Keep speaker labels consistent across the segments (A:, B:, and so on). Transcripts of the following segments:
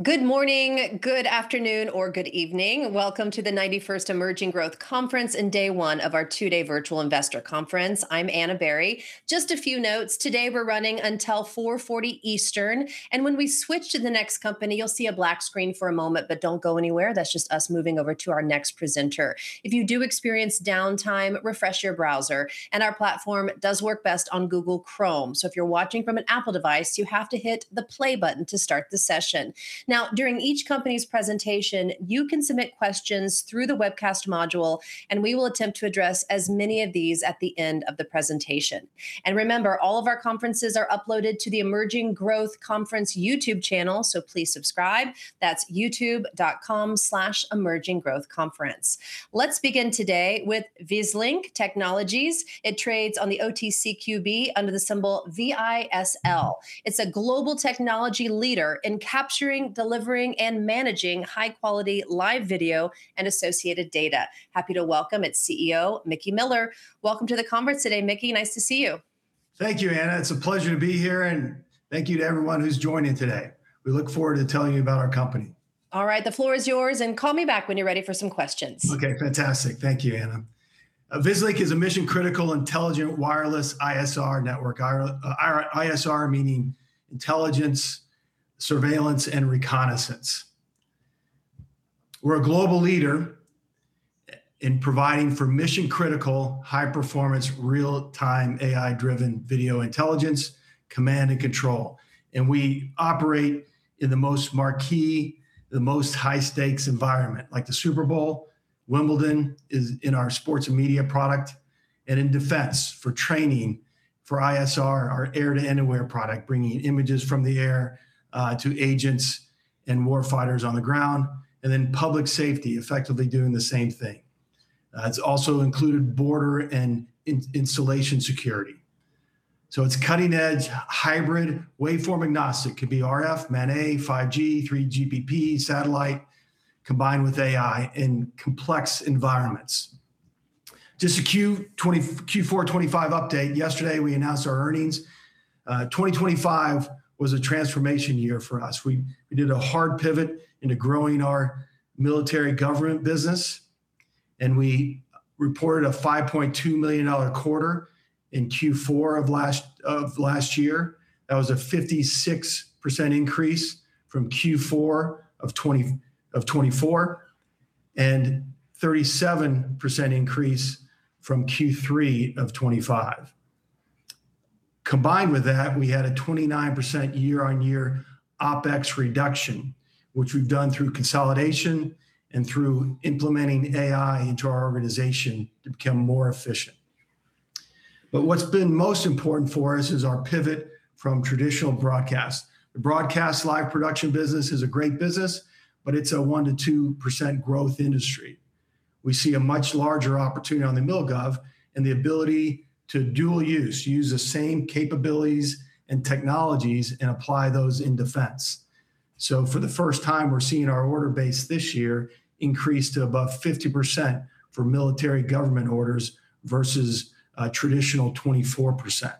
A: Good morning, good afternoon, or good evening. Welcome to the 91st Emerging Growth Conference and day one of our two-day virtual investor conference. I'm Ana Berry. Just a few notes. Today, we're running until 4:40 P.M. Eastern. When we switch to the next company, you'll see a black screen for a moment, but don't go anywhere. That's just us moving over to our next presenter. If you do experience downtime, refresh your browser, and our platform does work best on Google Chrome. If you're watching from an Apple device, you have to hit the play button to start the session. Now, during each company's presentation, you can submit questions through the webcast module, and we will attempt to address as many of these at the end of the presentation. Remember, all of our conferences are uploaded to the Emerging Growth Conference YouTube channel, so please subscribe. That's youtube.com/emerginggrowthconference. Let's begin today with Vislink Technologies. It trades on the OTCQB under the symbol VISL. It's a global technology leader in capturing, delivering, and managing high-quality live video and associated data. Happy to welcome its CEO, Mickey Miller. Welcome to the conference today, Mickey. Nice to see you.
B: Thank you, Ana. It's a pleasure to be here, and thank you to everyone who's joining today. We look forward to telling you about our company.
A: All right. The floor is yours, and call me back when you're ready for some questions.
B: Okay. Fantastic. Thank you, Ana. Vislink is a mission-critical, intelligent, wireless ISR network. Our ISR, meaning intelligence, surveillance, and reconnaissance. We're a global leader in providing mission-critical, high-performance, real-time, AI-driven video intelligence, command, and control. We operate in the most marquee, high-stakes environments, like the Super Bowl. Wimbledon is in our sports and media product. In defense for training for ISR, our Air-to-Anywhere product, bringing images from the air to agents and warfighters on the ground. Then public safety, effectively doing the same thing. It's also included border and installation security. It's cutting-edge, hybrid, waveform-agnostic. It could be RF, MANET, 5G, 3GPP, satellite, combined with AI in complex environments. Just a Q4 2025 update. Yesterday, we announced our earnings. 2025 was a transformation year for us. We did a hard pivot into growing our military government business, and we reported a $5.2 million quarter in Q4 of last year. That was a 56% increase from Q4 of 2024, and 37% increase from Q3 of 2025. Combined with that, we had a 29% year-on-year OpEx reduction, which we've done through consolidation and through implementing AI into our organization to become more efficient. What's been most important for us is our pivot from traditional broadcast. The broadcast live production business is a great business, but it's a 1%-2% growth industry. We see a much larger opportunity on the MilGov and the ability to dual use the same capabilities and technologies and apply those in defense. For the first time, we're seeing our order base this year increase to above 50% for military government orders versus a traditional 24%.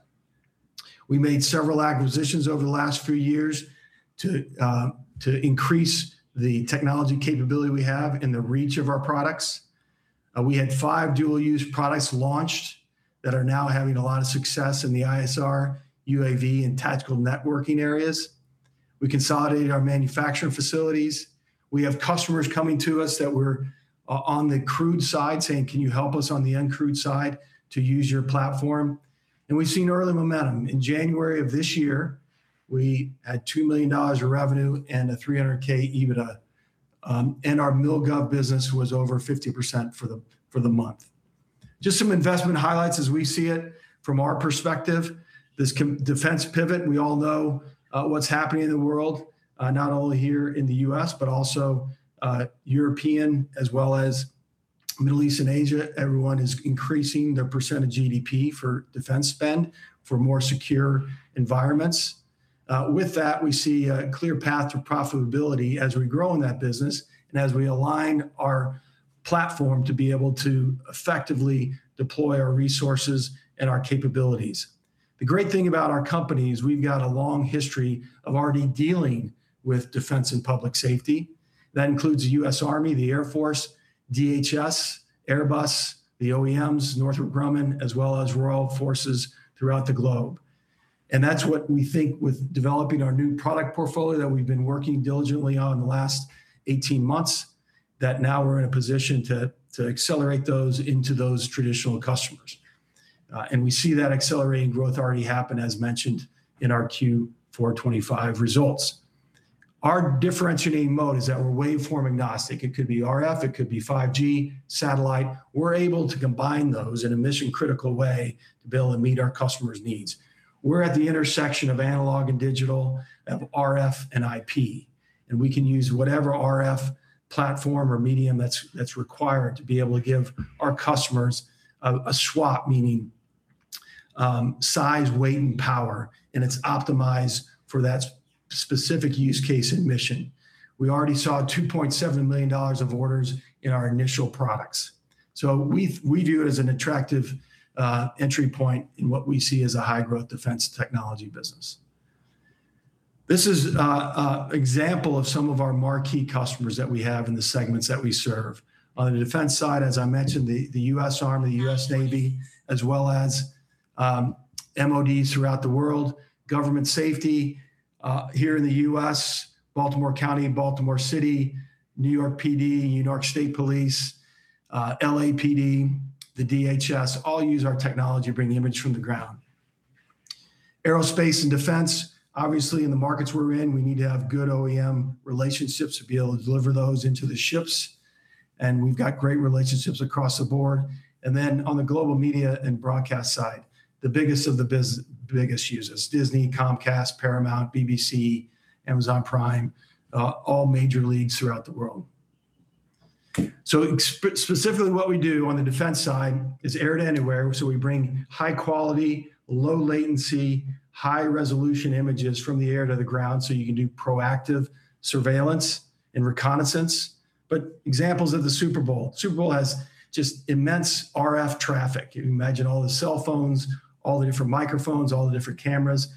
B: We made several acquisitions over the last few years to increase the technology capability we have and the reach of our products. We had five dual-use products launched that are now having a lot of success in the ISR, UAV, and tactical networking areas. We consolidated our manufacturing facilities. We have customers coming to us that were on the crewed side saying, "Can you help us on the uncrewed side to use your platform?" We've seen early momentum. In January of this year, we had $2 million of revenue and a $300K EBITDA, and our MilGov business was over 50% for the month. Just some investment highlights as we see it from our perspective. This defense pivot, we all know what's happening in the world, not only here in the U.S., but also Europe as well as Middle East and Asia. Everyone is increasing their percent of GDP for defense spend for more secure environments. With that, we see a clear path to profitability as we grow in that business and as we align our platform to be able to effectively deploy our resources and our capabilities. The great thing about our company is we've got a long history of already dealing with defense and public safety. That includes the U.S. Army, the Air Force, DHS, Airbus, the OEMs, Northrop Grumman, as well as royal forces throughout the globe. That's what we think with developing our new product portfolio that we've been working diligently on the last 18 months, that now we're in a position to accelerate those into traditional customers. We see that accelerating growth already happening, as mentioned in our Q4 2025 results. Our differentiating model is that we're waveform agnostic. It could be RF, it could be 5G, satellite. We're able to combine those in a mission-critical way to be able to meet our customers' needs. We're at the intersection of analog and digital, of RF and IP, and we can use whatever RF platform or medium that's required to be able to give our customers a SWaP, meaning size, weight, and power, and it's optimized for that specific use case and mission. We already saw $2.7 million of orders in our initial products. We view it as an attractive entry point in what we see as a high-growth defense technology business. This is an example of some of our marquee customers that we have in the segments that we serve. On the defense side, as I mentioned, the U.S. Army, the U.S. Navy, as well as MODs throughout the world. Government safety here in the U.S., Baltimore County and Baltimore City, New York PD, New York State Police, LAPD, the DHS all use our technology to bring the image from the ground. Aerospace and defense, obviously in the markets we're in, we need to have good OEM relationships to be able to deliver those into the ships, and we've got great relationships across the board. On the global media and broadcast side, the biggest of the biggest users, Disney, Comcast, Paramount, BBC, Amazon Prime, all major leagues throughout the world. Specifically what we do on the defense side is Air-to-Anywhere. We bring high quality, low latency, high-resolution images from the air to the ground, so you can do proactive surveillance and reconnaissance. Examples of the Super Bowl. The Super Bowl has just immense RF traffic. You can imagine all the cell phones, all the different microphones, all the different cameras.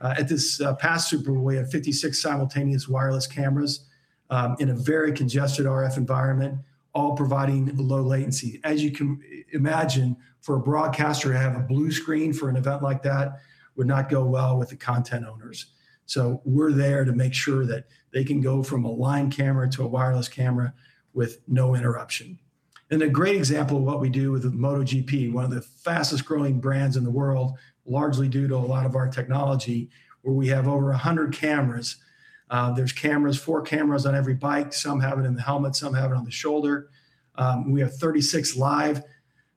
B: At this past Super Bowl, we had 56 simultaneous wireless cameras in a very congested RF environment, all providing low latency. As you can imagine, for a broadcaster to have a blue screen for an event like that would not go well with the content owners. We're there to make sure that they can go from a line camera to a wireless camera with no interruption. A great example of what we do with MotoGP, one of the fastest-growing brands in the world, largely due to a lot of our technology, where we have over 100 cameras. There's cameras, four cameras on every bike. Some have it in the helmet, some have it on the shoulder. We have 36 live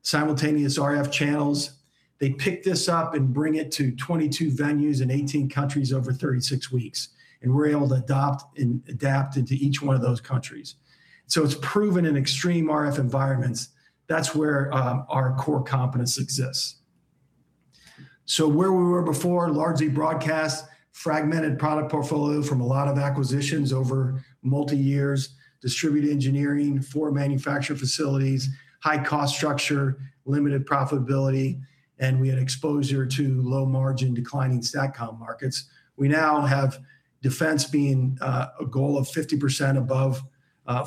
B: simultaneous RF channels. They pick this up and bring it to 22 venues in 18 countries over 36 weeks, and we're able to adopt and adapt into each one of those countries. It's proven in extreme RF environments, that's where our core competence exists. Where we were before, largely broadcast fragmented product portfolio from a lot of acquisitions over many years, distributed engineering, four manufacturing facilities, high cost structure, limited profitability, and we had exposure to low margin declining SatCom markets. We now have defense being a goal of 50% or above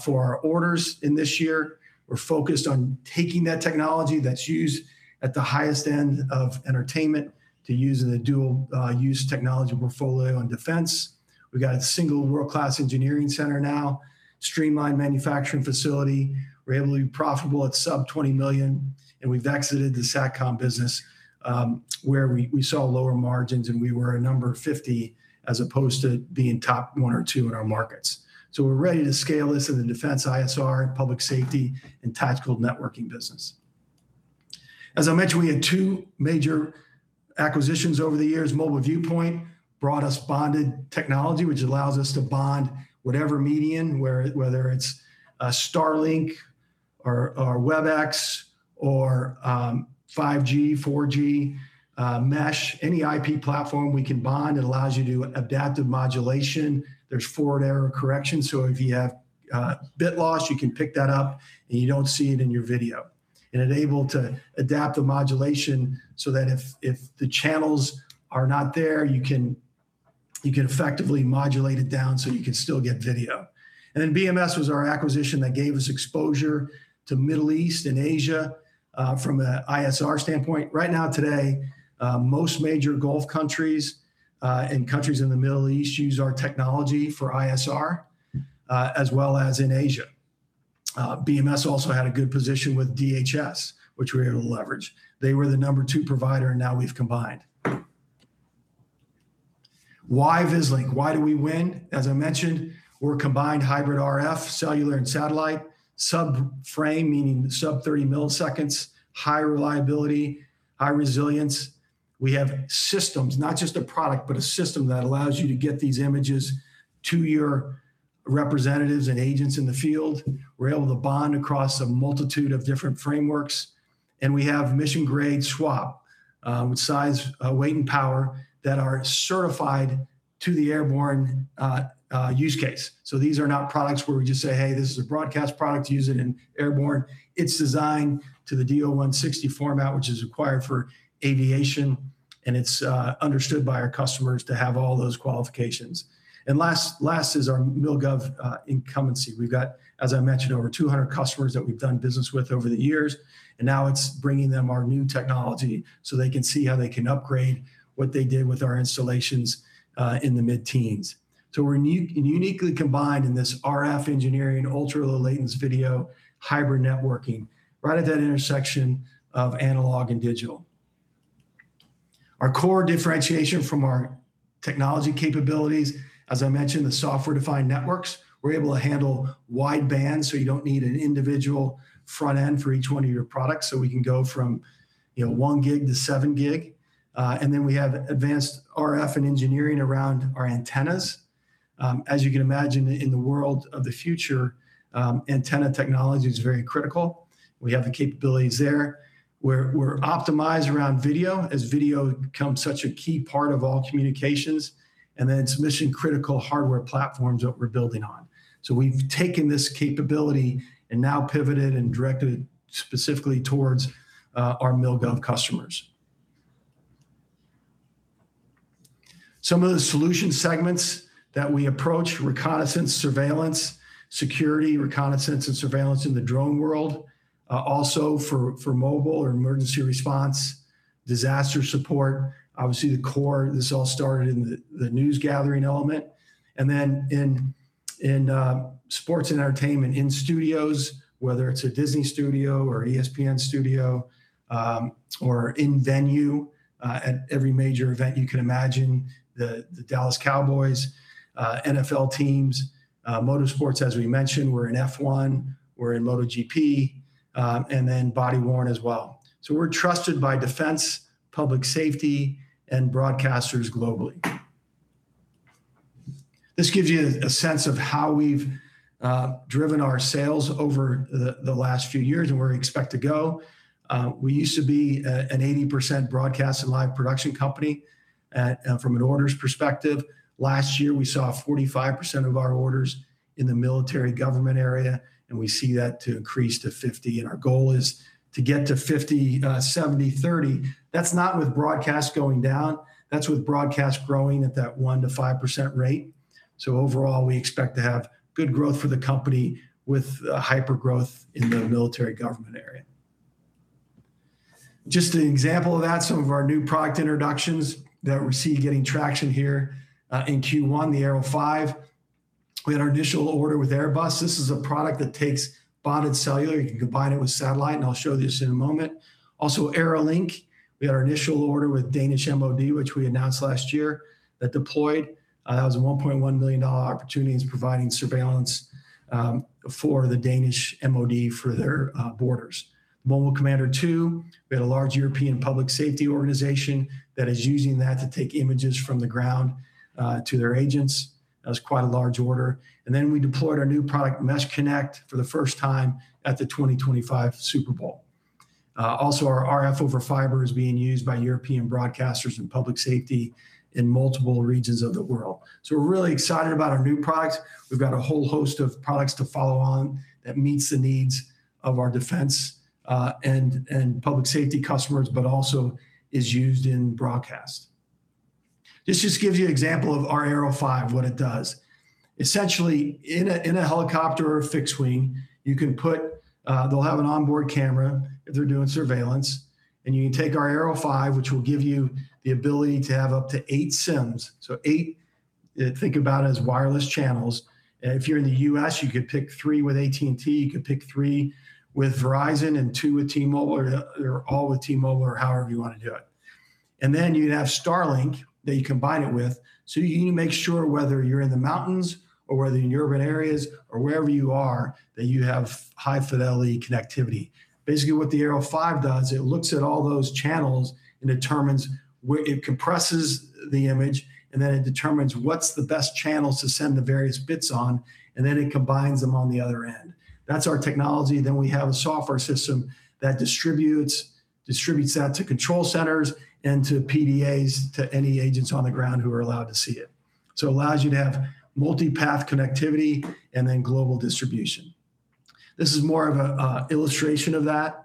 B: for our orders in this year. We're focused on taking that technology that's used at the highest end of entertainment to use in a dual-use technology portfolio on defense. We've got a single world-class engineering center now, streamlined manufacturing facility. We're able to be profitable at sub-$20 million, and we've exited the SatCom business, where we saw lower margins and we were a number 50 as opposed to being top one or two in our markets. We're ready to scale this in the defense ISR, public safety, and tactical networking business. As I mentioned, we had two major acquisitions over the years. Mobile Viewpoint brought us bonded technology, which allows us to bond whatever medium, whether it's Starlink or Webex or 5G, 4G, mesh, any IP platform we can bond. It allows you to do adaptive modulation. There's forward error correction, so if you have bit loss, you can pick that up, and you don't see it in your video. It enables to adapt the modulation so that if the channels are not there, you can effectively modulate it down so you can still get video. Then BMS was our acquisition that gave us exposure to Middle East and Asia from an ISR standpoint. Right now today, most major Gulf countries and countries in the Middle East use our technology for ISR, as well as in Asia. BMS also had a good position with DHS, which we were able to leverage. They were the number two provider, and now we've combined. Why Vislink? Why do we win? As I mentioned, we're combined hybrid RF, cellular and satellite, sub-frame, meaning sub 30 ms, high reliability, high resilience. We have systems, not just a product, but a system that allows you to get these images to your representatives and agents in the field. We're able to bond across a multitude of different frameworks, and we have mission-grade SWaP, Size, Weight, and Power that are certified to the airborne use case. These are not products where we just say, "Hey, this is a broadcast product. Use it in airborne." It's designed to the DO-160 format, which is required for aviation, and it's understood by our customers to have all those qualifications. Last is our MilGov incumbency. We've got, as I mentioned, over 200 customers that we've done business with over the years, and now it's bringing them our new technology so they can see how they can upgrade what they did with our installations in the mid-teens. We're uniquely combined in this RF engineering, ultra low latency video, hybrid networking right at that intersection of analog and digital. Our core differentiation from our technology capabilities, as I mentioned, the software-defined networks, we're able to handle wide band, so you don't need an individual front end for each one of your products. We can go from, you know, 1 Gb to 7 Gb. Then we have advanced RF and engineering around our antennas. As you can imagine, in the world of the future, antenna technology is very critical. We have the capabilities there. We're optimized around video as video becomes such a key part of all communications, and then it's mission-critical hardware platforms that we're building on. We've taken this capability and now pivoted and directed it specifically towards our MilGov customers. Some of the solution segments that we approach, reconnaissance, surveillance, security, reconnaissance and surveillance in the drone world, also for mobile or emergency response, disaster support. Obviously, the core, this all started in the news gathering element. Then in sports and entertainment, in studios, whether it's a Disney studio or ESPN studio or in venue at every major event you can imagine, the Dallas Cowboys, NFL teams, motorsports, as we mentioned, we're in F1, we're in MotoGP, and then body worn as well. We're trusted by defense, public safety, and broadcasters globally. This gives you a sense of how we've driven our sales over the last few years and where we expect to go. We used to be an 80% broadcast and live production company from an orders perspective. Last year, we saw 45% of our orders in the military government area, and we see that to increase to 50%. Our goal is to get to 50%, 70%, 30%. That's not with broadcast going down. That's with broadcast growing at that 1%-5% rate. Overall, we expect to have good growth for the company with hyper growth in the military government area. Just an example of that, some of our new product introductions that we see getting traction here in Q1, the Aero5. We had our initial order with Airbus. This is a product that takes bonded cellular. You can combine it with satellite, and I'll show this in a moment. AeroLink. We had our initial order with Danish MOD, which we announced last year. That deployed. That was a $1.1 million opportunity. It's providing surveillance for the Danish MOD for their borders. Mobile Commander II. We had a large European public safety organization that is using that to take images from the ground to their agents. That was quite a large order. We deployed our new product, MeshConnect, for the first time at the 2025 Super Bowl. Our RF over Fiber is being used by European broadcasters and public safety in multiple regions of the world. We're really excited about our new products. We've got a whole host of products to follow on that meets the needs of our defense and public safety customers, but also is used in broadcast. This just gives you an example of our Aero5, what it does. Essentially, in a helicopter or fixed wing, you can put. They'll have an onboard camera if they're doing surveillance, and you can take our Aero5, which will give you the ability to have up to eight SIMs. Eight, think about it as wireless channels. If you're in the U.S., you could pick three with AT&T. You could pick three with Verizon and two with T-Mobile or all with T-Mobile or however you want to do it. Then you have Starlink that you combine it with. You need to make sure whether you're in the mountains or whether you're in urban areas or wherever you are, that you have high fidelity connectivity. Basically, what the Aero5 does, it looks at all those channels and determines where it compresses the image, and then it determines what's the best channels to send the various bits on, and then it combines them on the other end. That's our technology. Then we have a software system that distributes that to control centers and to PDAs, to any agents on the ground who are allowed to see it. So it allows you to have multi-path connectivity and then global distribution. This is more of an illustration of that.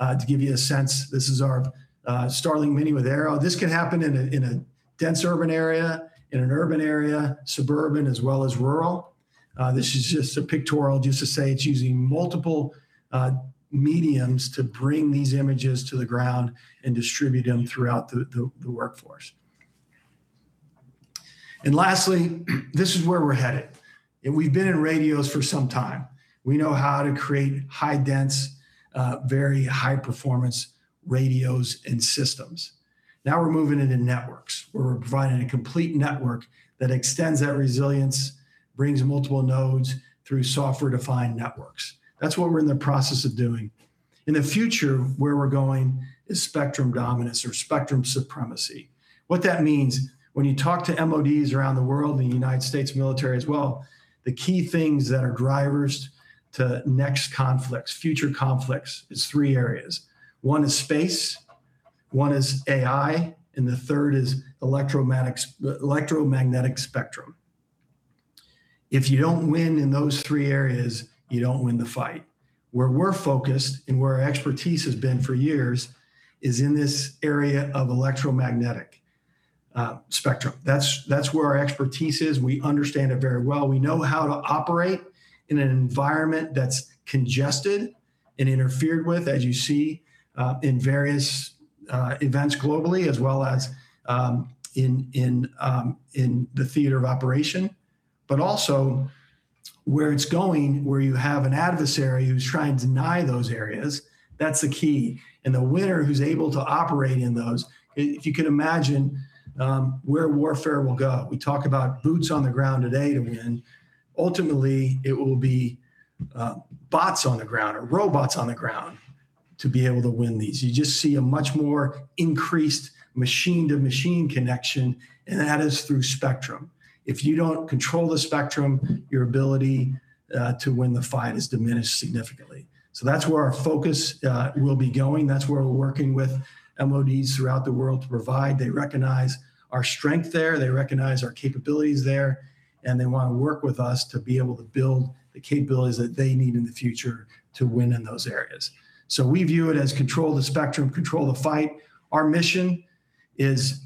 B: To give you a sense, this is our Starlink Mini with Aero. This can happen in a dense urban area, in an urban area, suburban as well as rural. This is just a pictorial just to say it's using multiple mediums to bring these images to the ground and distribute them throughout the workforce. Lastly, this is where we're headed. We've been in radios for some time. We know how to create high-density, very high performance radios and systems. Now we're moving into networks where we're providing a complete network that extends that resilience, brings multiple nodes through software-defined networks. That's what we're in the process of doing. In the future, where we're going is spectrum dominance or spectrum supremacy. What that means when you talk to MODs around the world, the United States military as well, the key things that are drivers to next conflicts, future conflicts is three areas. One is Space. One is AI. The third is Electromagnetic Spectrum. If you don't win in those three areas, you don't win the fight. Where we're focused and where our expertise has been for years is in this area of electromagnetic spectrum. That's where our expertise is. We understand it very well. We know how to operate in an environment that's congested and interfered with, as you see in various events globally, as well as in the theater of operation, but also where it's going, where you have an adversary who's trying to deny those areas. That's the key. The winner who's able to operate in those, if you can imagine where warfare will go. We talk about boots on the ground today to win. Ultimately, it will be bots on the ground or robots on the ground to be able to win these. You just see a much more increased machine to machine connection. That is through spectrum. If you don't control the spectrum, your ability to win the fight is diminished significantly. That's where our focus will be going. That's where we're working with MODs throughout the world to provide. They recognize our strength there. They recognize our capabilities there. They want to work with us to be able to build the capabilities that they need in the future to win in those areas. We view it as control the spectrum, control the fight. Our mission is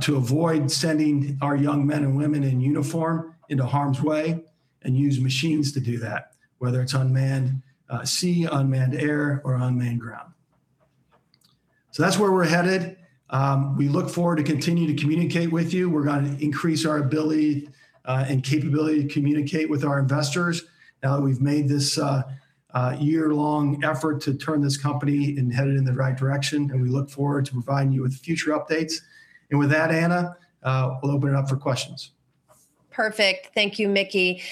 B: to avoid sending our young men and women in uniform into harm's way, and use machines to do that, whether it's unmanned sea, unmanned air or unmanned ground. That's where we're headed. We look forward to continue to communicate with you. We're going to increase our ability and capability to communicate with our investors now that we've made this year-long effort to turn this company and head it in the right direction, and we look forward to providing you with future updates. With that, Ana, we'll open it up for questions.
A: Perfect. Thank you, Mickey.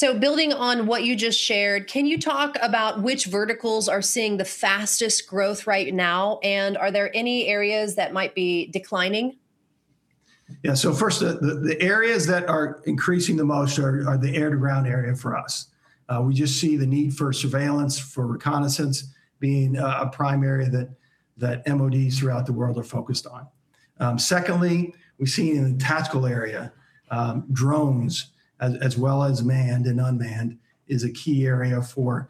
A: Building on what you just shared, can you talk about which verticals are seeing the fastest growth right now? And are there any areas that might be declining?
B: Yeah. First, the areas that are increasing the most are the air-to-ground area for us. We just see the need for surveillance, for reconnaissance being a primary that MODs throughout the world are focused on. Secondly, we've seen in the tactical area, drones as well as manned and unmanned is a key area for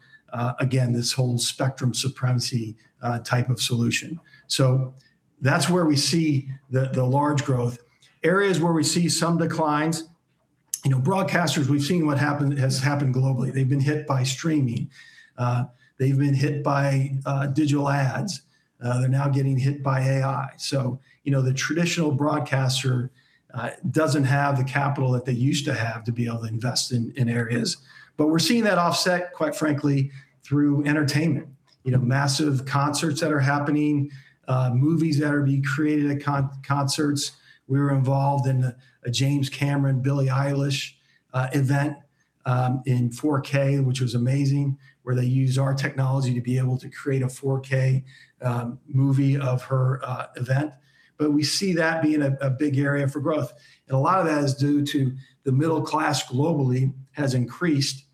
B: again, this whole spectrum supremacy type of solution. That's where we see the large growth. Areas where we see some declines, you know. Broadcasters, we've seen what has happened globally. They've been hit by streaming. They've been hit by digital ads. They're now getting hit by AI. You know, the traditional broadcaster doesn't have the capital that they used to have to be able to invest in areas. We're seeing that offset, quite frankly, through entertainment, you know, massive concerts that are happening, movies that are being created at concerts. We were involved in a James Cameron, Billie Eilish event in 4K, which was amazing, where they used our technology to be able to create a 4K movie of her event. We see that being a big area for growth, and a lot of that is due to the middle class globally has increased,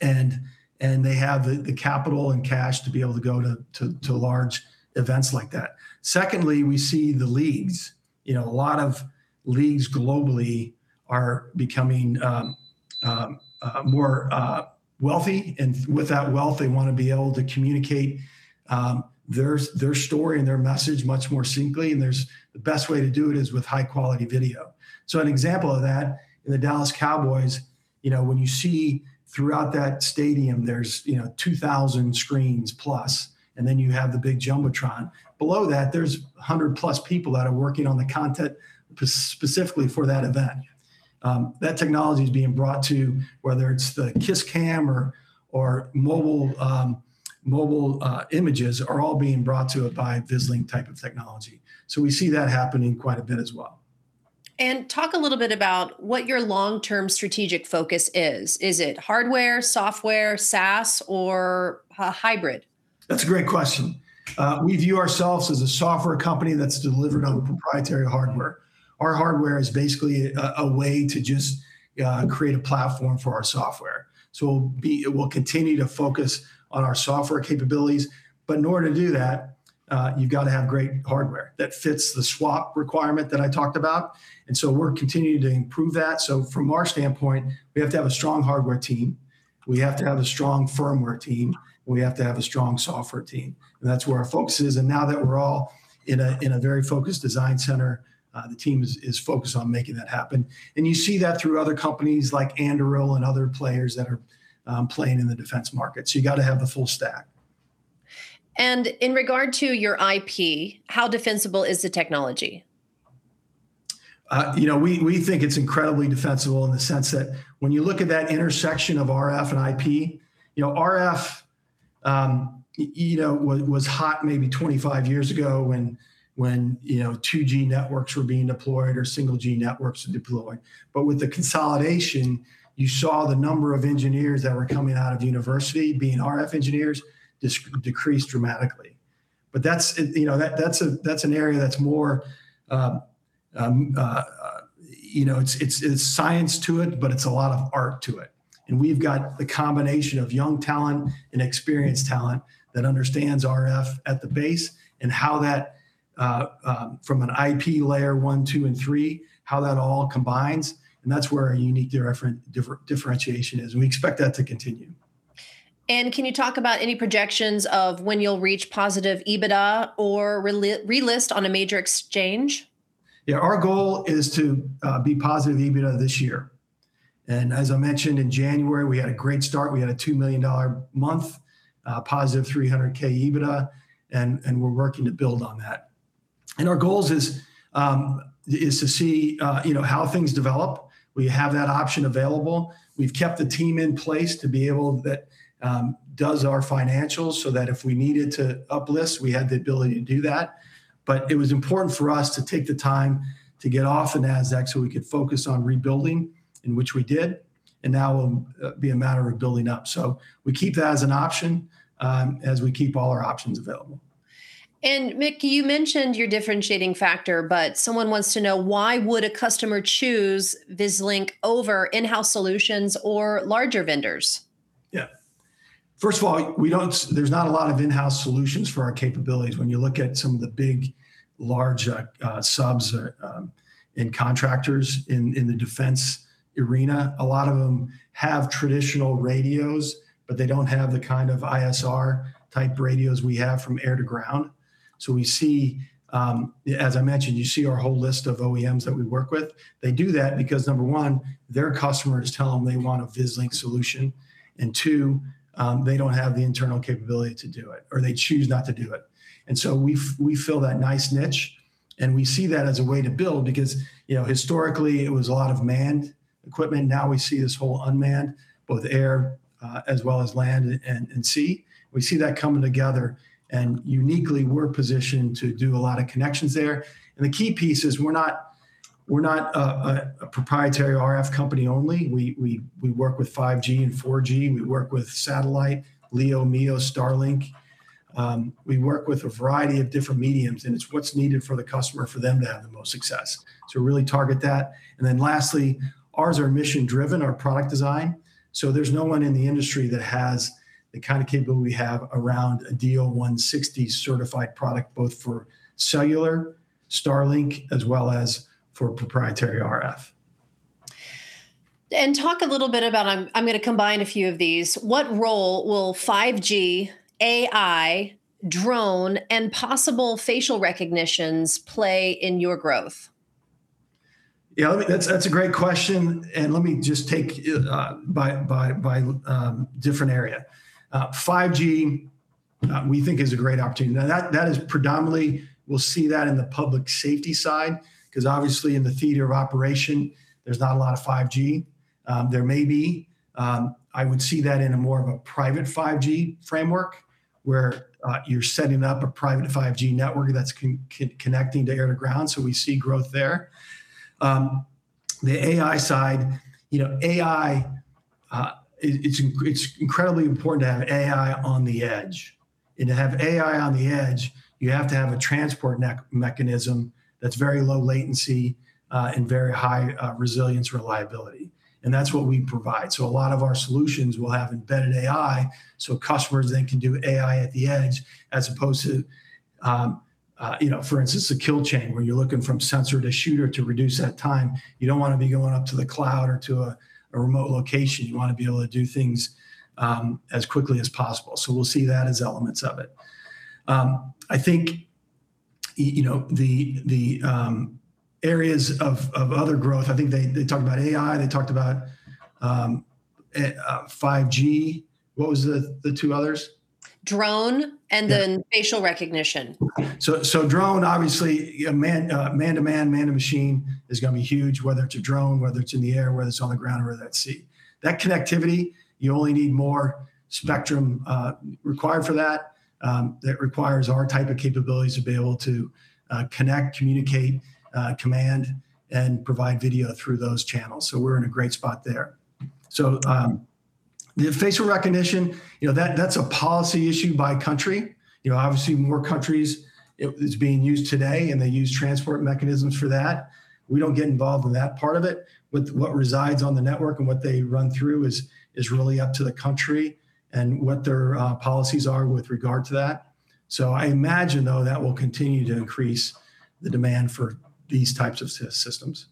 B: and they have the capital and cash to be able to go to large events like that. Secondly, we see the leagues. You know, a lot of leagues globally are becoming more wealthy. With that wealth they want to be able to communicate their story and their message much more succinctly, and the best way to do it is with high-quality video. An example of that, in the Dallas Cowboys, you know, when you see throughout that stadium there's 2,000+ screens, and then you have the big jumbotron. Below that, there's 100+ people that are working on the content specifically for that event. That technology is being brought to, whether it's the kiss cam or mobile images are all being brought to it by Vislink type of technology. We see that happening quite a bit as well.
A: Talk a little bit about what your long-term strategic focus is. Is it hardware, software, SaaS or hybrid?
B: That's a great question. We view ourselves as a software company that's delivered on proprietary hardware. Our hardware is basically a way to just create a platform for our software. It will continue to focus on our software capabilities, but in order to do that, you've gotta have great hardware that fits the SWaP requirement that I talked about, and so we're continuing to improve that. So from our standpoint, we have to have a strong hardware team, we have to have a strong firmware team, and we have to have a strong software team, and that's where our focus is. Now that we're all in a very focused design center, the team is focused on making that happen. You see that through other companies like Anduril and other players that are playing in the defense market. You gotta have the full stack.
A: In regard to your IP, how defensible is the technology?
B: We think it's incredibly defensible in the sense that when you look at that intersection of RF and IP. You know, RF was hot maybe 25 years ago when 2G networks were being deployed or 1G networks were deploying. With the consolidation, you saw the number of engineers that were coming out of university being RF engineers decrease dramatically. That's an area that's more, you know, it's science to it, but it's a lot of art to it. We've got the combination of young talent and experienced talent that understands RF at the base and how that, from an IP layer one, two, and three, how that all combines, and that's where our unique differentiation is, and we expect that to continue.
A: Can you talk about any projections of when you'll reach positive EBITDA or relist on a major exchange?
B: Yeah. Our goal is to be positive EBITDA this year. As I mentioned, in January we had a great start. We had a $2 million month, positive $300K EBITDA and we're working to build on that. Our goals is to see you know how things develop. We have that option available. We've kept the team in place that does our financials so that if we needed to uplist, we had the ability to do that. It was important for us to take the time to get off Nasdaq so we could focus on rebuilding, in which we did, and now will be a matter of building up. We keep that as an option, as we keep all our options available.
A: Mickey, you mentioned your differentiating factor, but someone wants to know why would a customer choose Vislink over in-house solutions or larger vendors?
B: First of all, we don't. There's not a lot of in-house solutions for our capabilities. When you look at some of the big, large subs or and contractors in the defense arena, a lot of them have traditional radios, but they don't have the kind of ISR-type radios we have from air to ground. As I mentioned, you see our whole list of OEMs that we work with. They do that because number one, their customers tell them they want a Vislink solution, and two, they don't have the internal capability to do it or they choose not to do it. We fill that nice niche, and we see that as a way to build because you know, historically it was a lot of manned equipment. Now we see this whole unmanned, both air, as well as land and sea. We see that coming together, and uniquely, we're positioned to do a lot of connections there. The key piece is we're not a proprietary RF company only. We work with 5G and 4G, we work with satellite, LEO, MEO, Starlink. We work with a variety of different mediums, and it's what's needed for the customer for them to have the most success. We really target that. Then lastly, ours are mission-driven, our product design, so there's no one in the industry that has the kind of capability we have around a DO-160 certified product, both for cellular, Starlink, as well as for proprietary RF.
A: Talk a little bit about. I'm going to combine a few of these. What role will 5G, AI, drone, and possible facial recognitions play in your growth?
B: Yeah, I mean, that's a great question, and let me just take by different area. 5G we think is a great opportunity. Now that is predominantly, we'll see that in the public safety side 'cause obviously in the theater of operation there's not a lot of 5G. There may be, I would see that in a more of a private 5G framework where you're setting up a private 5G network that's connecting to air to ground. So we see growth there. The AI side, you know, AI, it's incredibly important to have AI on the edge. To have AI on the edge, you have to have a transport mechanism that's very low latency and very high resilience, reliability, and that's what we provide. A lot of our solutions will have embedded AI, so customers then can do AI at the edge as opposed to, you know, for instance, a kill chain where you're looking from sensor to shooter to reduce that time. You don't want to be going up to the cloud or to a remote location. You want to be able to do things as quickly as possible. We'll see that as elements of it. I think you know, the areas of other growth, I think they talked about AI, they talked about 5G. What was the two others?
A: Drone and then facial recognition.
B: Drone, obviously, yeah, man-to-man, man-to-machine is going to be huge, whether it's a drone, whether it's in the air, whether it's on the ground or at sea. That connectivity, you'll only need more spectrum required for that requires our type of capabilities to be able to connect, communicate, command and provide video through those channels. We're in a great spot there. The facial recognition, you know, that's a policy issue by country. You know, obviously more countries it is being used today, and they use transport mechanisms for that. We don't get involved in that part of it. What resides on the network and what they run through is really up to the country and what their policies are with regard to that. I imagine, though, that will continue to increase the demand for these types of systems.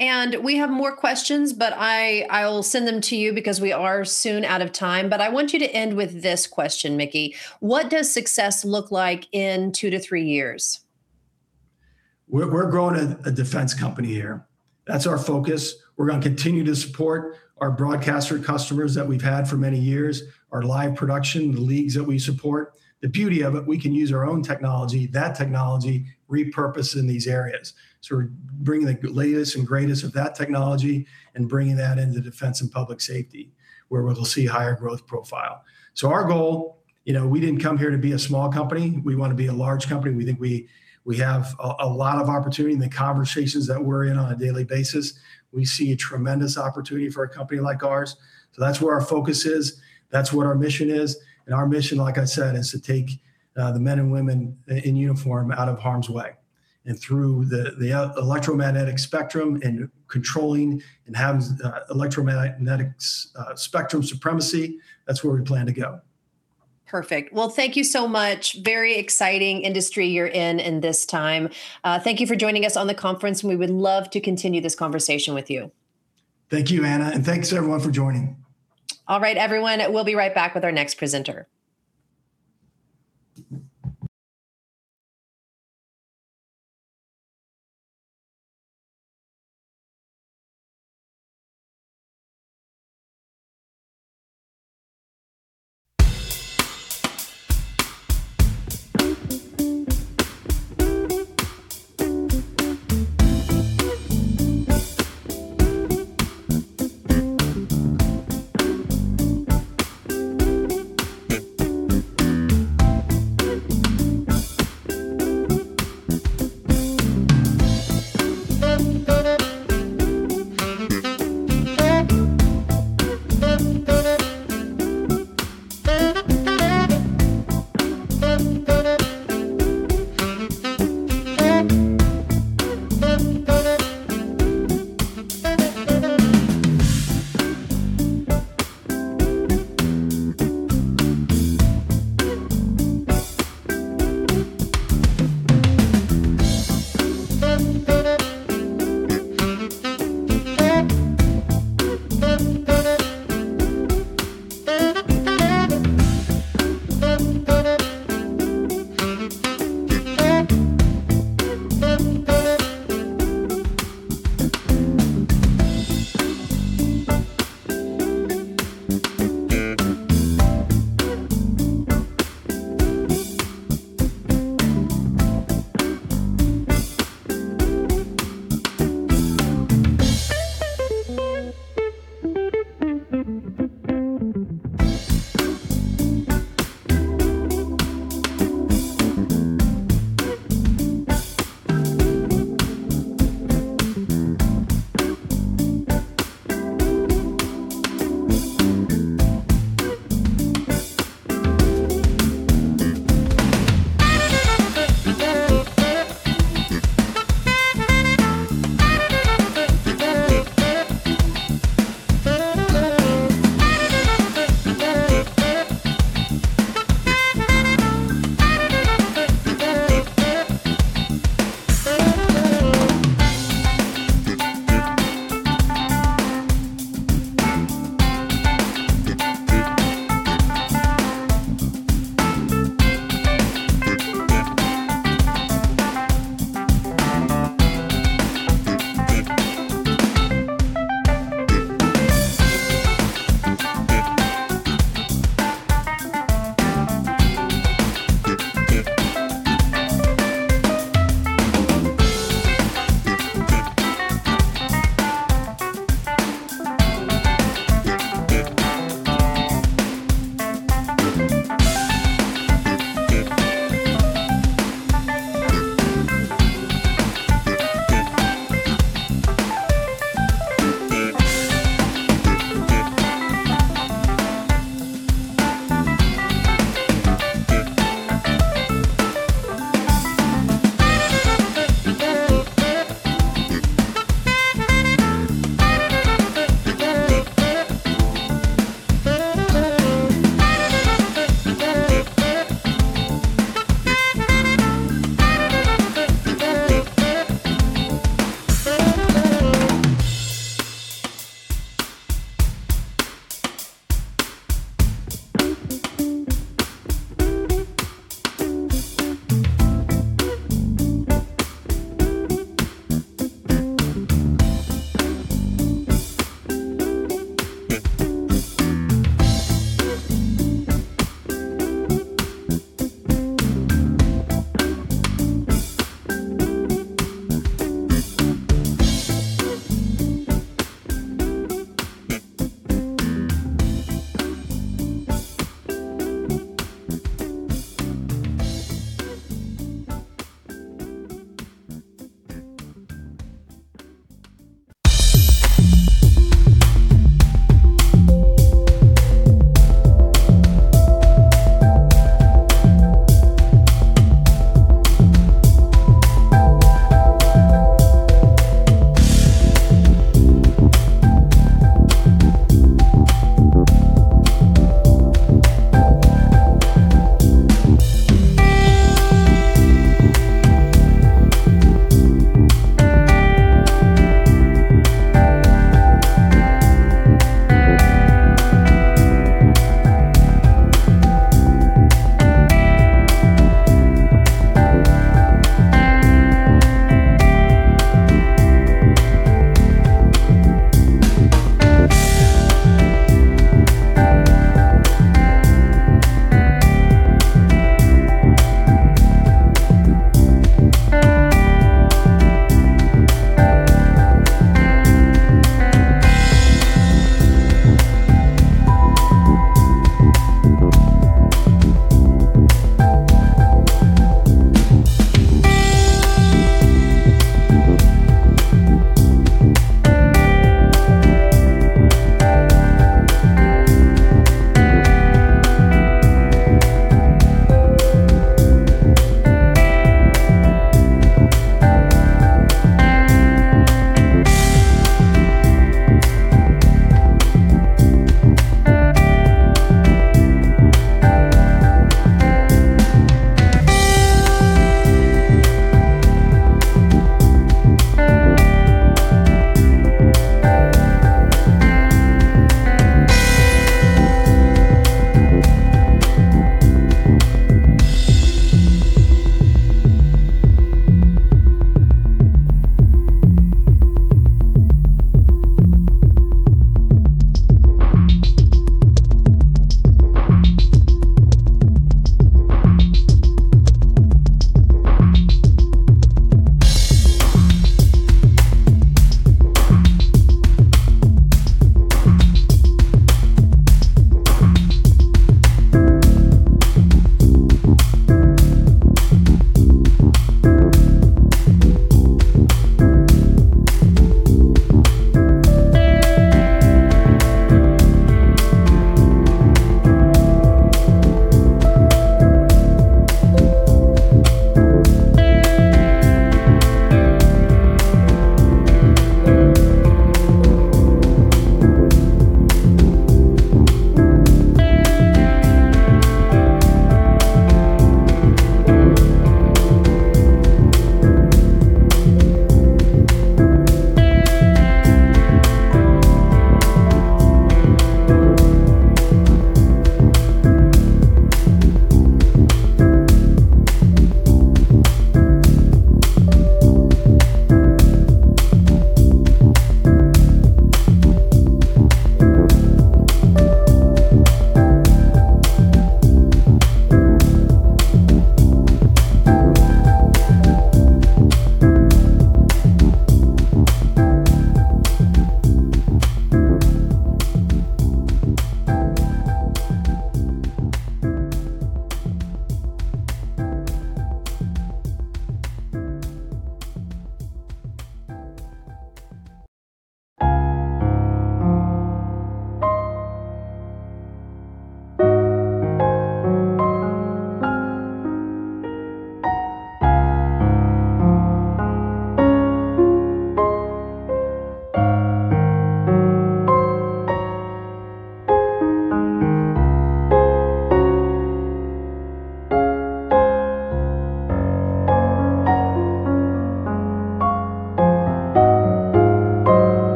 A: We have more questions, but I will send them to you because we are soon out of time, but I want you to end with this question, Mickey. What does success look like in two to three years?
B: We're growing a defense company here. That's our focus. We're going to continue to support our broadcaster customers that we've had for many years, our live production, the leagues that we support. The beauty of it, we can use our own technology, that technology, repurpose in these areas. We're bringing the latest and greatest of that technology and bringing that into defense and public safety where we'll see higher growth profile. Our goal, you know, we didn't come here to be a small company. We want to be a large company. We think we have a lot of opportunity and the conversations that we're in on a daily basis, we see a tremendous opportunity for a company like ours. That's where our focus is, that's what our mission is, and our mission, like I said, is to take the men and women in uniform out of harm's way, and through the electromagnetic spectrum and controlling and having electromagnetic spectrum supremacy, that's where we plan to go.
A: Perfect. Well, thank you so much. Very exciting industry you're in this time. Thank you for joining us on the conference, and we would love to continue this conversation with you.
B: Thank you, Ana, and thanks everyone for joining.
A: All right, everyone, we'll be right back with our next presenter.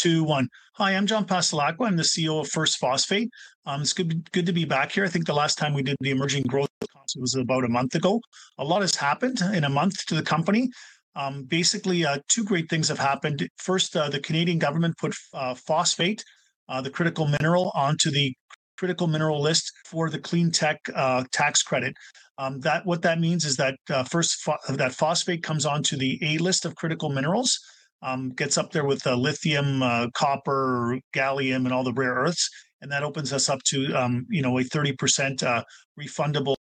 C: Three, two, one. Hi, I'm John Passalacqua. I'm the CEO of First Phosphate. It's good to be back here. I think the last time we did the Emerging Growth was about a month ago. A lot has happened in a month to the company. Basically, two great things have happened. First, the Canadian government put phosphate, the critical mineral onto the critical mineral list for the clean tech tax credit. What that means is that phosphate comes onto the A list of critical minerals, gets up there with lithium, copper, gallium, and all the rare earths. That opens us up to, you know, a 30% refundable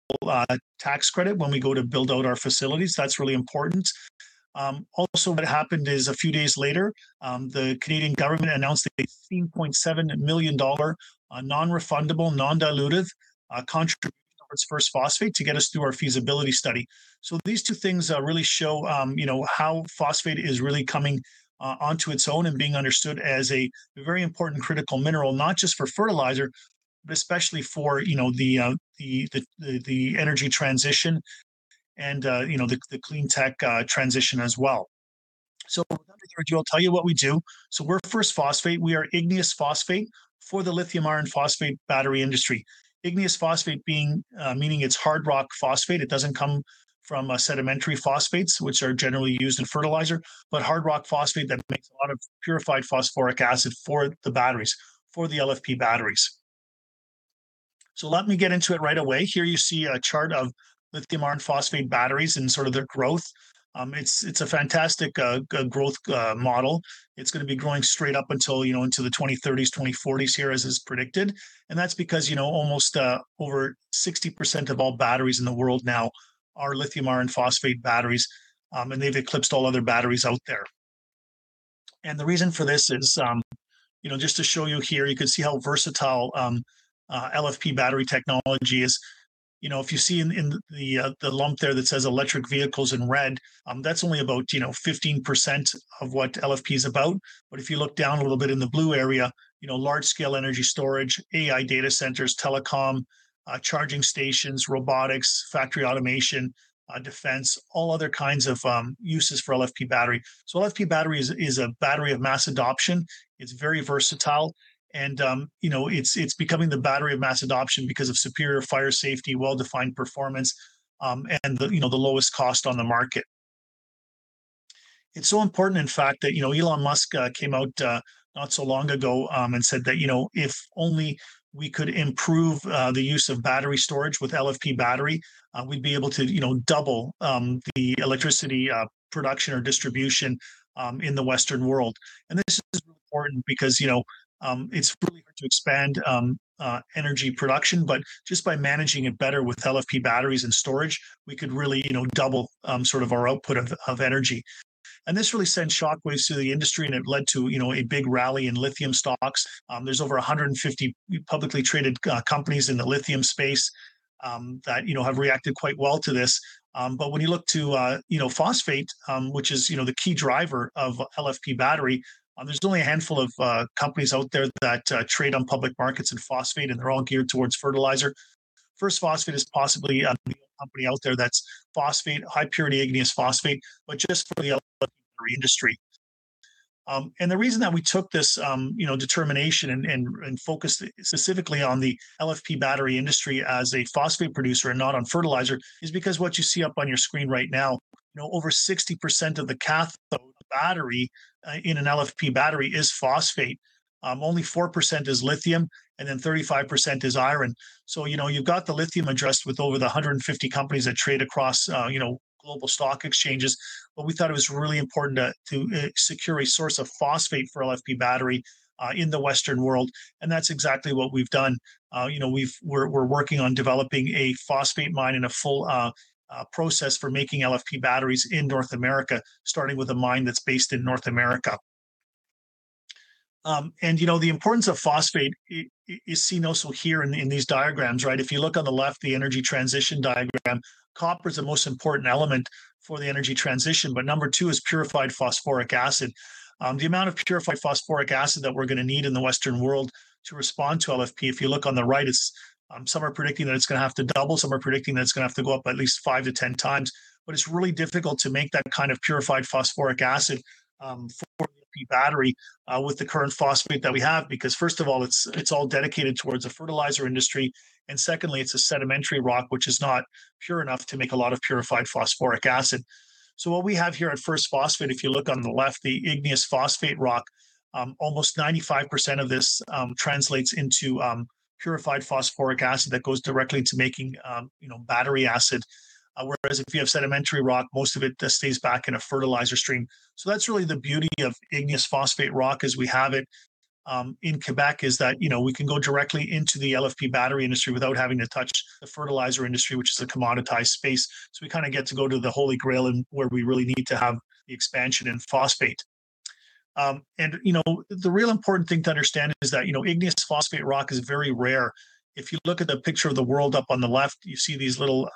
C: tax credit when we go to build out our facilities. That's really important. Also what happened is a few days later, the Canadian government announced a 18.7 million dollar non-refundable, non-dilutive contribution towards First Phosphate to get us through our feasibility study. These two things really show, you know, how phosphate is really coming onto its own and being understood as a very important critical mineral, not just for fertilizer, but especially for, you know, the energy transition and, you know, the clean tech transition as well. I'll tell you what we do. We're First Phosphate. We are igneous phosphate for the lithium iron phosphate battery industry. Igneous phosphate meaning it's hard rock phosphate. It doesn't come from sedimentary phosphates, which are generally used in fertilizer, but hard rock phosphate that makes a lot of purified phosphoric acid for the batteries, for the LFP batteries. Let me get into it right away. Here you see a chart of lithium iron phosphate batteries and sort of their growth. It's a fantastic growth model. It's going to be growing straight up until you know until the 2030s, 2040s here, as is predicted. That's because you know almost over 60% of all batteries in the world now are lithium iron phosphate batteries and they've eclipsed all other batteries out there. The reason for this is you know just to show you here, you can see how versatile LFP battery technology is. You know, if you see in the lump there that says electric vehicles in red, that's only about 15% of what LFP's about. If you look down a little bit in the blue area, you know, large-scale energy storage, AI data centers, telecom, charging stations, robotics, factory automation, defense, all other kinds of uses for LFP battery. LFP battery is a battery of mass adoption. It's very versatile and, you know, it's becoming the battery of mass adoption because of superior fire safety, well-defined performance, and the lowest cost on the market. It's so important, in fact, that, you know, Elon Musk came out not so long ago and said that, you know, if only we could improve the use of battery storage with LFP battery, we'd be able to, you know, double the electricity production or distribution in the western world. This is important because, you know, it's really hard to expand energy production, but just by managing it better with LFP batteries and storage, we could really, you know, double sort of our output of energy. This really sent shock waves through the industry, and it led to, you know, a big rally in lithium stocks. There's over 150 publicly traded companies in the lithium space that, you know, have reacted quite well to this. When you look to, you know, phosphate, which is, you know, the key driver of LFP battery, there's only a handful of companies out there that trade on public markets and phosphate, and they're all geared towards fertilizer. First Phosphate is possibly a company out there that's phosphate, high purity igneous phosphate, but just for the industry. The reason that we took this determination and focused specifically on the LFP battery industry as a phosphate producer and not on fertilizer is because what you see up on your screen right now, you know, over 60% of the cathode battery in an LFP battery is phosphate. Only 4% is lithium, and then 35% is iron. You've got the lithium addressed with over 150 companies that trade across global stock exchanges. We thought it was really important to secure a source of phosphate for LFP battery in the Western world, and that's exactly what we've done. We're working on developing a phosphate mine and a full process for making LFP batteries in North America, starting with a mine that's based in North America. The importance of phosphate is seen also here in these diagrams, right? If you look on the left, the energy transition diagram, copper is the most important element for the energy transition, but number two is purified phosphoric acid. The amount of purified phosphoric acid that we're going to need in the Western world to respond to LFP, if you look on the right, it's some are predicting that it's going to have to double, some are predicting that it's going to have to go up at least five to 10 times. It's really difficult to make that kind of purified phosphoric acid for the LFP battery with the current phosphate that we have, because first of all, it's all dedicated towards the fertilizer industry, and secondly, it's a sedimentary rock, which is not pure enough to make a lot of purified phosphoric acid. What we have here at First Phosphate, if you look on the left, the igneous phosphate rock, almost 95% of this translates into purified phosphoric acid that goes directly to making you know, battery acid. Whereas if you have sedimentary rock, most of it just stays back in a fertilizer stream. That's really the beauty of igneous phosphate rock as we have it in Quebec, is that, you know, we can go directly into the LFP battery industry without having to touch the fertilizer industry, which is a commoditized space. We kinda get to go to the holy grail and where we really need to have the expansion in phosphate. You know, the real important thing to understand is that, you know, igneous phosphate rock is very rare. If you look at the picture of the world up on the left, you see these little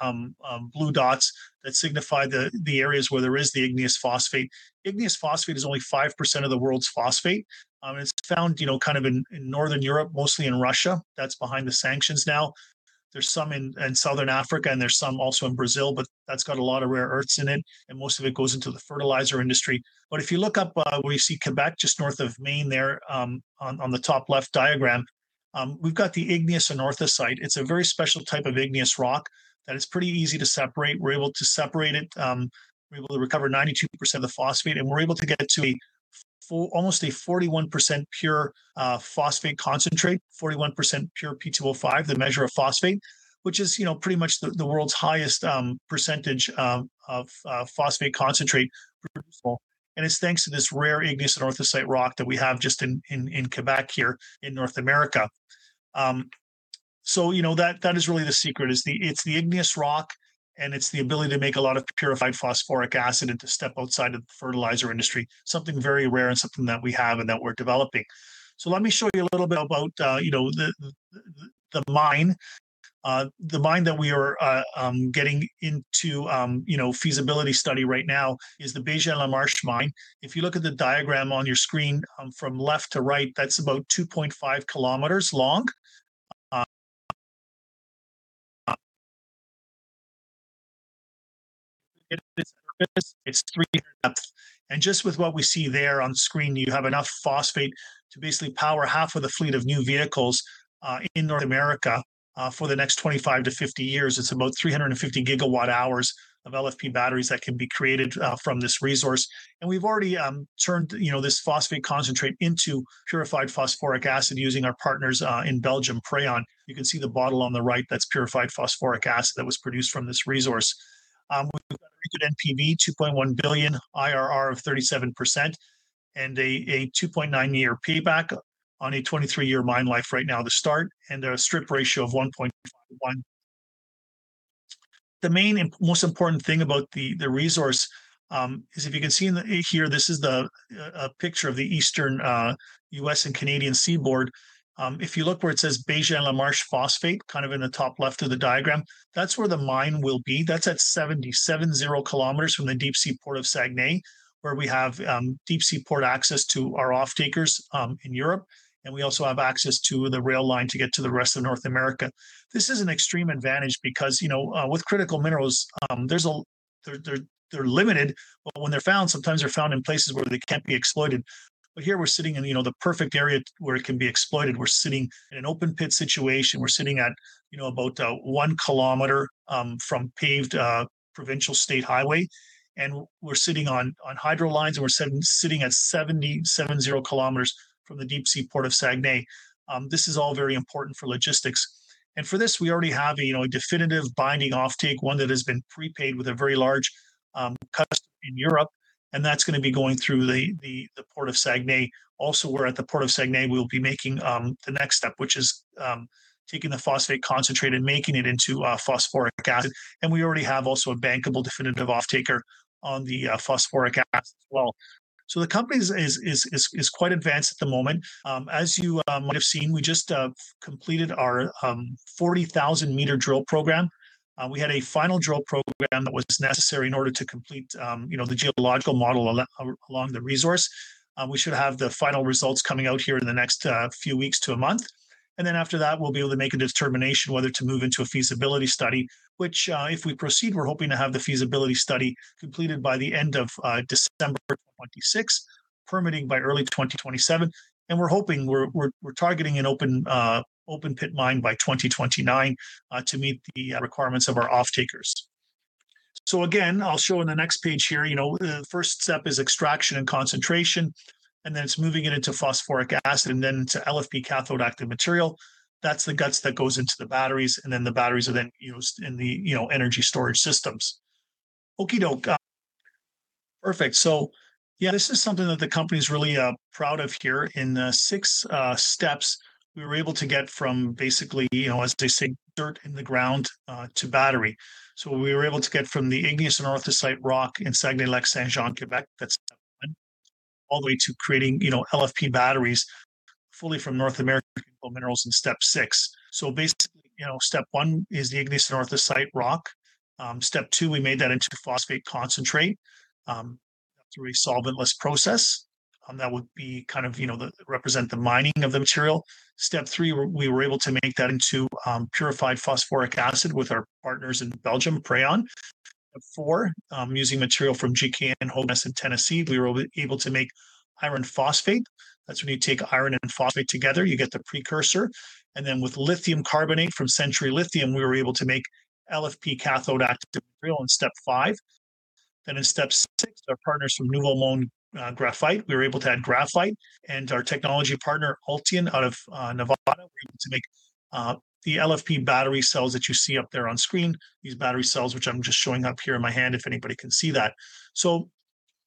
C: blue dots that signify the areas where there is the igneous phosphate. Igneous phosphate is only 5% of the world's phosphate. It's found, you know, kind of in Northern Europe, mostly in Russia. That's behind the sanctions now. There's some in Southern Africa, and there's some also in Brazil, but that's got a lot of rare earths in it, and most of it goes into the fertilizer industry. If you look up where you see Quebec just north of Maine there, on the top left diagram, we've got the igneous anorthosite. It's a very special type of igneous rock that is pretty easy to separate. We're able to separate it. We're able to recover 92% of the phosphate, and we're able to get it to almost a 41% pure phosphate concentrate, 41% pure P2O5, the measure of phosphate, which is, you know, pretty much the world's highest percentage of phosphate concentrate producible. It's thanks to this rare igneous anorthosite rock that we have just in Quebec here in North America. You know, that is really the secret. It's the igneous rock, and it's the ability to make a lot of purified phosphoric acid and to step outside of the fertilizer industry. Something very rare and something that we have and that we're developing. Let me show you a little bit about the mine. The mine that we are getting into feasibility study right now is the Bégin-Lamarche mine. If you look at the diagram on your screen, from left to right, that's about 2.5 km long. It's three in depth. Just with what we see there on screen, you have enough phosphate to basically power half of the fleet of new vehicles in North America for the next 25-50 years. It's about 350 GWh of LFP batteries that can be created from this resource. We've already turned you know this phosphate concentrate into purified phosphoric acid using our partners' in Belgium, Prayon. You can see the bottle on the right that's purified phosphoric acid that was produced from this resource. We've got a good NPV, $2.1 billion, IRR of 37%, and a 2.9-year payback on a 23-year mine life right now to start, and a strip ratio of 1.51. The main and most important thing about the resource is if you can see here. This is the picture of the Eastern U.S. and Canadian seaboard. If you look where it says Bégin-Lamarche Phosphate, kind of in the top left of the diagram, that's where the mine will be. That's at 770 km from the deep-sea Port of Saguenay, where we have deep-sea port access to our off-takers in Europe. We also have access to the rail line to get to the rest of North America. This is an extreme advantage because, you know, with critical minerals, there's they're limited, but when they're found, sometimes they're found in places where they can't be exploited. Here we're sitting in, you know, the perfect area where it can be exploited. We're sitting in an open pit situation. We're sitting at, you know, about 1 kilometer from paved provincial state highway. We're sitting on hydro lines, and we're sitting at 770 kilometers from the deep-sea Port of Saguenay. This is all very important for logistics. For this, we already have a, you know, a definitive binding off-take, one that has been prepaid with a very large customer in Europe, and that's going to be going through the Port of Saguenay. We're at the Port of Saguenay. We'll be making the next step, which is taking the phosphate concentrate and making it into phosphoric acid. We already have a bankable definitive off-taker on the phosphoric acid as well. The company is quite advanced at the moment. As you might have seen, we just completed our 40,000 m drill program. We had a final drill program that was necessary in order to complete you know the geological model along the resource. We should have the final results coming out here in the next few weeks to a month. Then after that, we'll be able to make a determination whether to move into a feasibility study, which, if we proceed, we're hoping to have the feasibility study completed by the end of December 2026, permitting by early 2027. We're targeting an open pit mine by 2029 to meet the requirements of our off-takers. Again, I'll show in the next page here, you know, the first step is extraction and concentration, and then it's moving it into phosphoric acid, and then to LFP cathode active material. That's the guts that goes into the batteries, and then the batteries are then used in the, you know, energy storage systems. Okie doke. Perfect. Yeah, this is something that the company's really proud of here. In six steps, we were able to get from basically, you know, as they say, dirt in the ground to battery. We were able to get from the igneous anorthosite rock in Saguenay–Lac-Saint-Jean, Quebec, that's all the way to creating, you know, LFP batteries fully from North American critical minerals in step six. Basically, you know, step one is the igneous anorthosite rock. Step two, we made that into phosphate concentrate through a solventless process. That would be kind of, you know, represent the mining of the material. Step three, we were able to make that into purified phosphoric acid with our partners in Belgium, Prayon. Step four, using material from GKN Hoeganaes in Tennessee, we were able to make iron phosphate. That's when you take iron and phosphate together, you get the precursor. With lithium carbonate from Century Lithium, we were able to make LFP cathode active material in step five. In step six, our partners from Nouveau Monde Graphite, we were able to add graphite and our technology partner, Ultion out of Nevada, we were able to make the LFP battery cells that you see up there on screen, these battery cells, which I'm just showing up here in my hand, if anybody can see that.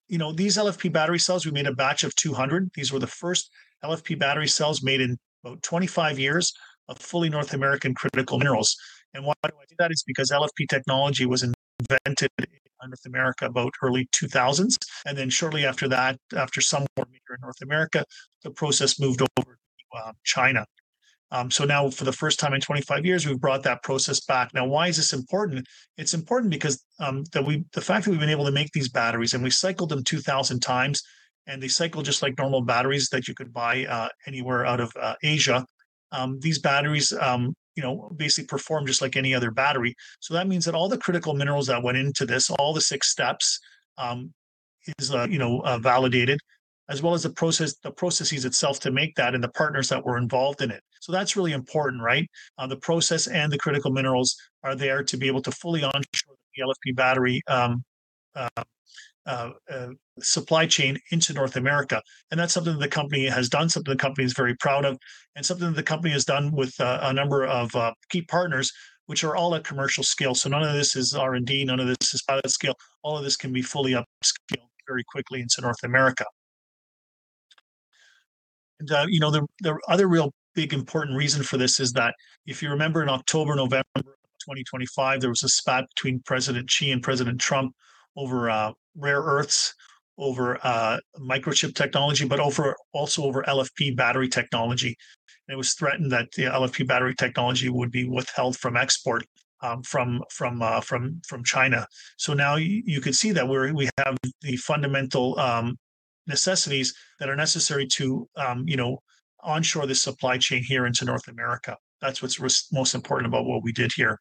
C: You know, these LFP battery cells, we made a batch of 200. These were the first LFP battery cells made in about 25 years of fully North American critical minerals. Why do I say that? It's because LFP technology was invented in North America about early 2000s. Then shortly after that, after some work here in North America, the process moved over to China. Now for the first time in 25 years, we've brought that process back. Now, why is this important? It's important because the fact that we've been able to make these batteries, and we cycled them 2000 times, and they cycle just like normal batteries that you could buy anywhere out of Asia. These batteries, you know, basically perform just like any other battery. That means that all the critical minerals that went into this, all the six steps, is validated, as well as the process itself to make that and the partners that were involved in it. That's really important, right? The process and the critical minerals are there to be able to fully onshore the LFP battery supply chain into North America. That's something that the company has done, something the company is very proud of, and something that the company has done with a number of key partners, which are all at commercial scale. None of this is R&D, none of this is pilot scale. All of this can be fully up-scaled very quickly into North America. You know, the other real big important reason for this is that if you remember in October, November of 2025, there was a spat between President Xi and President Trump over rare earths, over microchip technology, but over LFP battery technology. It was threatened that the LFP battery technology would be withheld from export from China. Now you can see that we have the fundamental necessities that are necessary to you know, onshore the supply chain here into North America. That's what's most important about what we did here.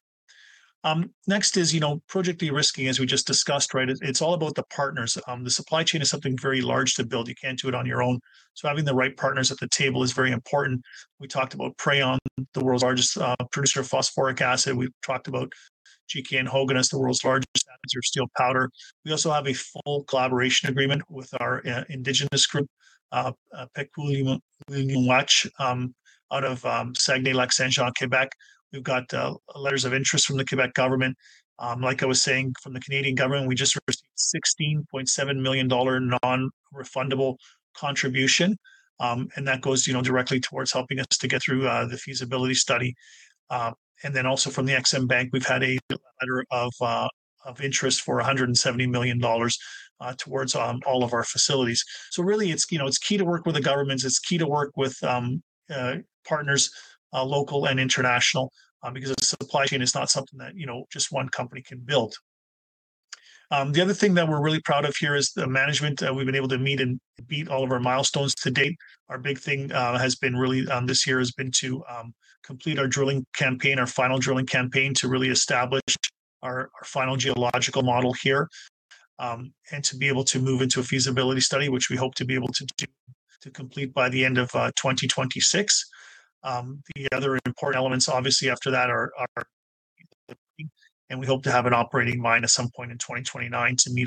C: Next is, you know, project de-risking, as we just discussed, right? It's all about the partners. The supply chain is something very large to build. You can't do it on your own. Having the right partners at the table is very important. We talked about Prayon, the world's largest producer of phosphoric acid. We talked about GKN Hoeganaes as the world's largest producer of steel powder. We also have a full collaboration agreement with our indigenous group, Pekuakamiulnuatsh First Nation, out of Saguenay-Lac-Saint-Jean, Quebec. We've got letters of interest from the Quebec government. Like I was saying, from the Canadian government, we just received $16.7 million non-refundable contribution. That goes, you know, directly towards helping us to get through the feasibility study. Then also from the EXIM Bank, we've had a letter of interest for $170 million towards all of our facilities. So really, it's, you know, it's key to work with the governments. It's key to work with partners, local and international, because the supply chain is not something that, you know, just one company can build. The other thing that we're really proud of here is the management. We've been able to meet and beat all of our milestones to date. Our big thing has been really this year to complete our drilling campaign, our final drilling campaign, to really establish our final geological model here and to be able to move into a feasibility study, which we hope to be able to complete by the end of 2026. The other important elements, obviously, after that are and we hope to have an operating mine at some point in 2029 to meet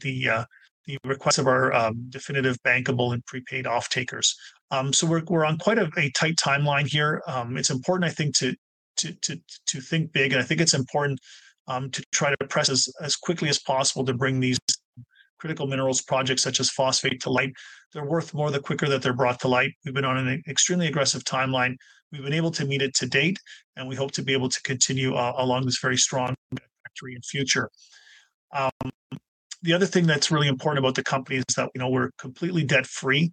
C: the requests of our definitive bankable and prepaid off-takers. We're on quite a tight timeline here. It's important, I think, to think big, and I think it's important to try to press as quickly as possible to bring these critical minerals projects, such as phosphate to light. They're worth more the quicker that they're brought to light. We've been on an extremely aggressive timeline. We've been able to meet it to date, and we hope to be able to continue along this very strong trajectory in future. The other thing that's really important about the company is that, you know, we're completely debt-free.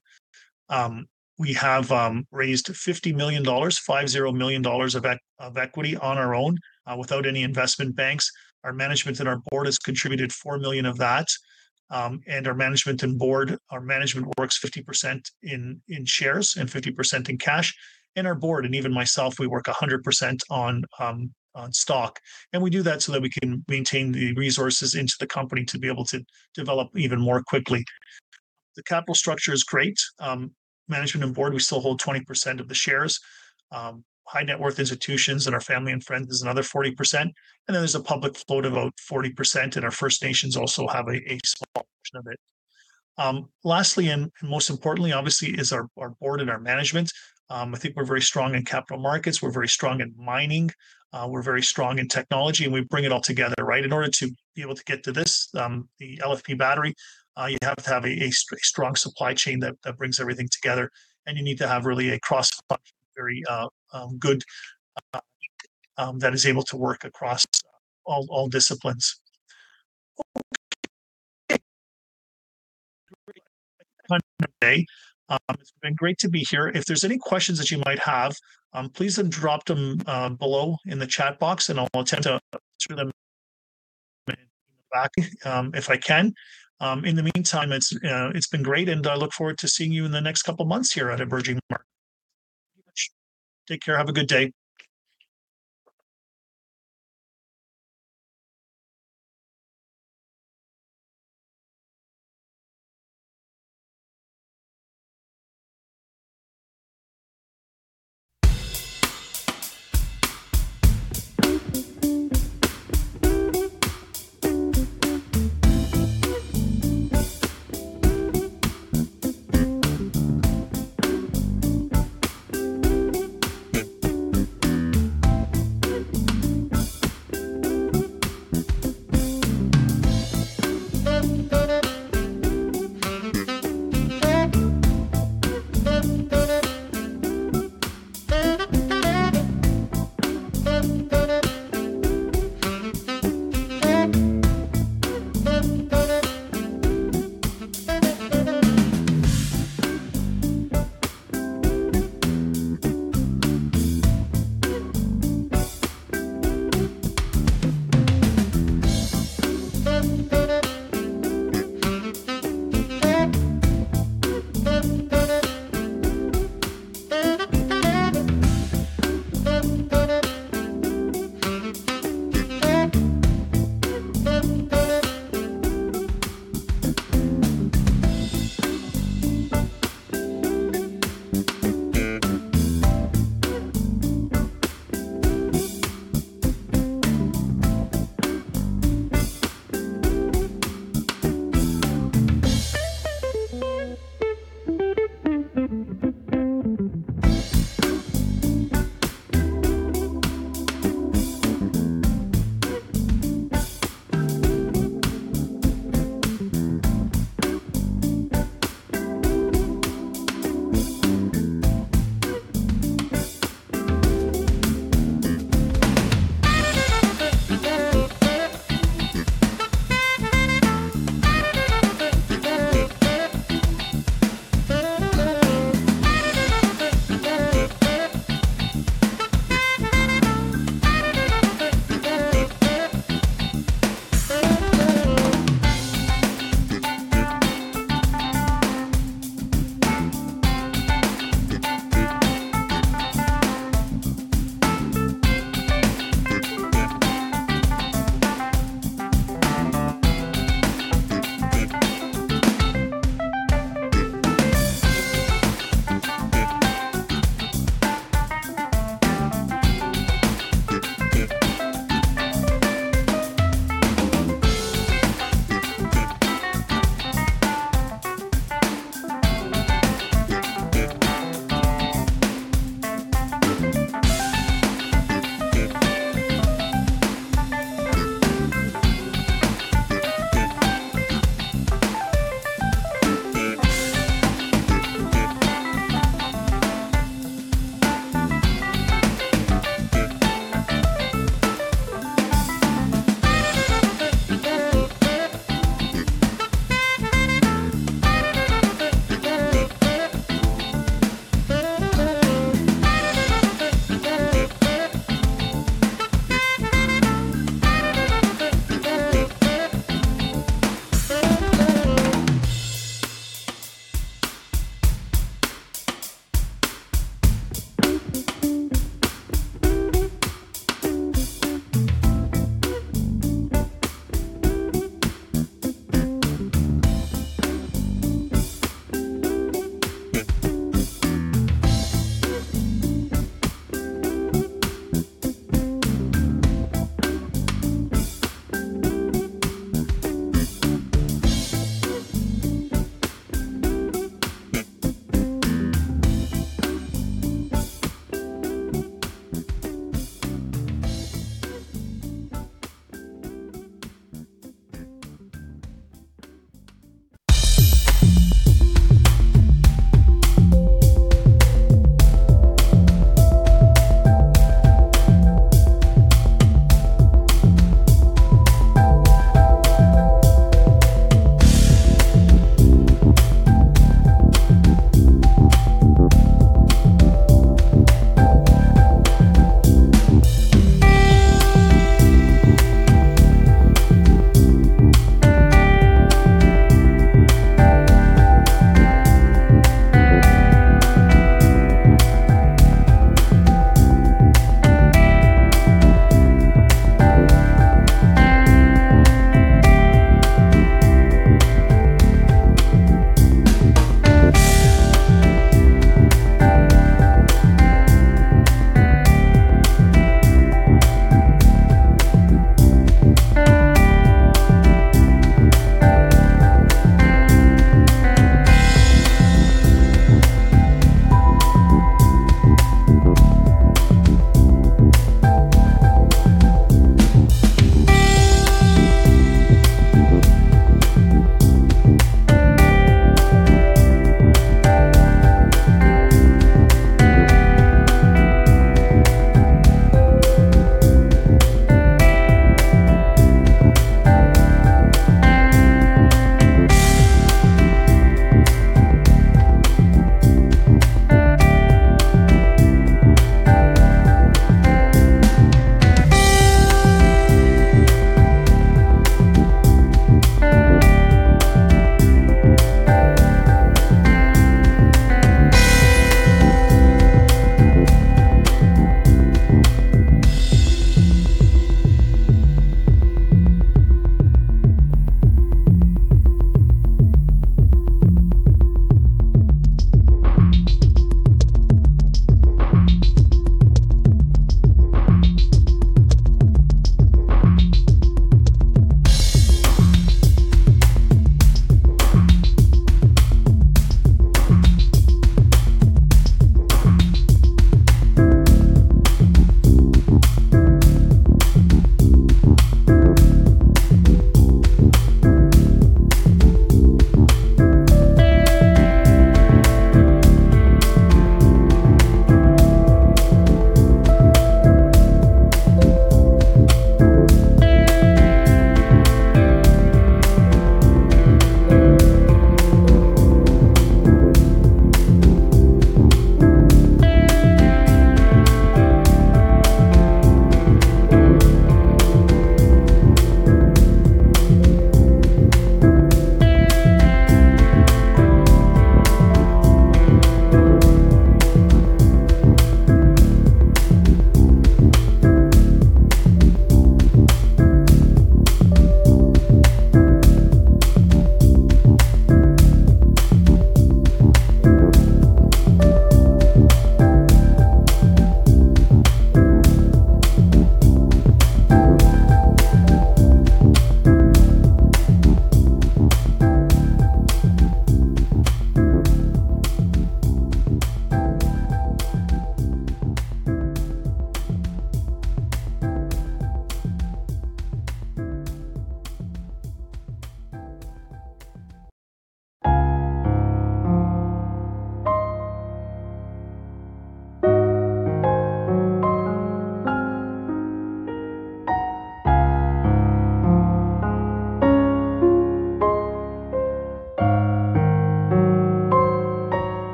C: We have raised $50 million of equity on our own without any investment banks. Our management and our board has contributed $4 million of that. Our management works 50% in shares and 50% in cash. Our board, and even myself, we work 100% on stock. We do that so that we can maintain the resources into the company to be able to develop even more quickly. The capital structure is great. Management and board, we still hold 20% of the shares. High net worth institutions and our family and friends is another 40%. Then there's a public float about 40%, and our First Nations also have a small portion of it. Lastly, and most importantly, obviously, is our board and our management. I think we're very strong in capital markets. We're very strong in mining. We're very strong in technology, and we bring it all together, right? In order to be able to get to this, the LFP battery, you have to have a strong supply chain that brings everything together, and you need to have really a cross-functional, very good that is able to work across all disciplines. It's been great to be here. If there's any questions that you might have, please then drop them below in the chat box, and I'll attempt to answer them back, if I can. In the meantime, it's been great, and I look forward to seeing you in the next couple months here at Emerging Markets. Thank you much. Take care. Have a good day.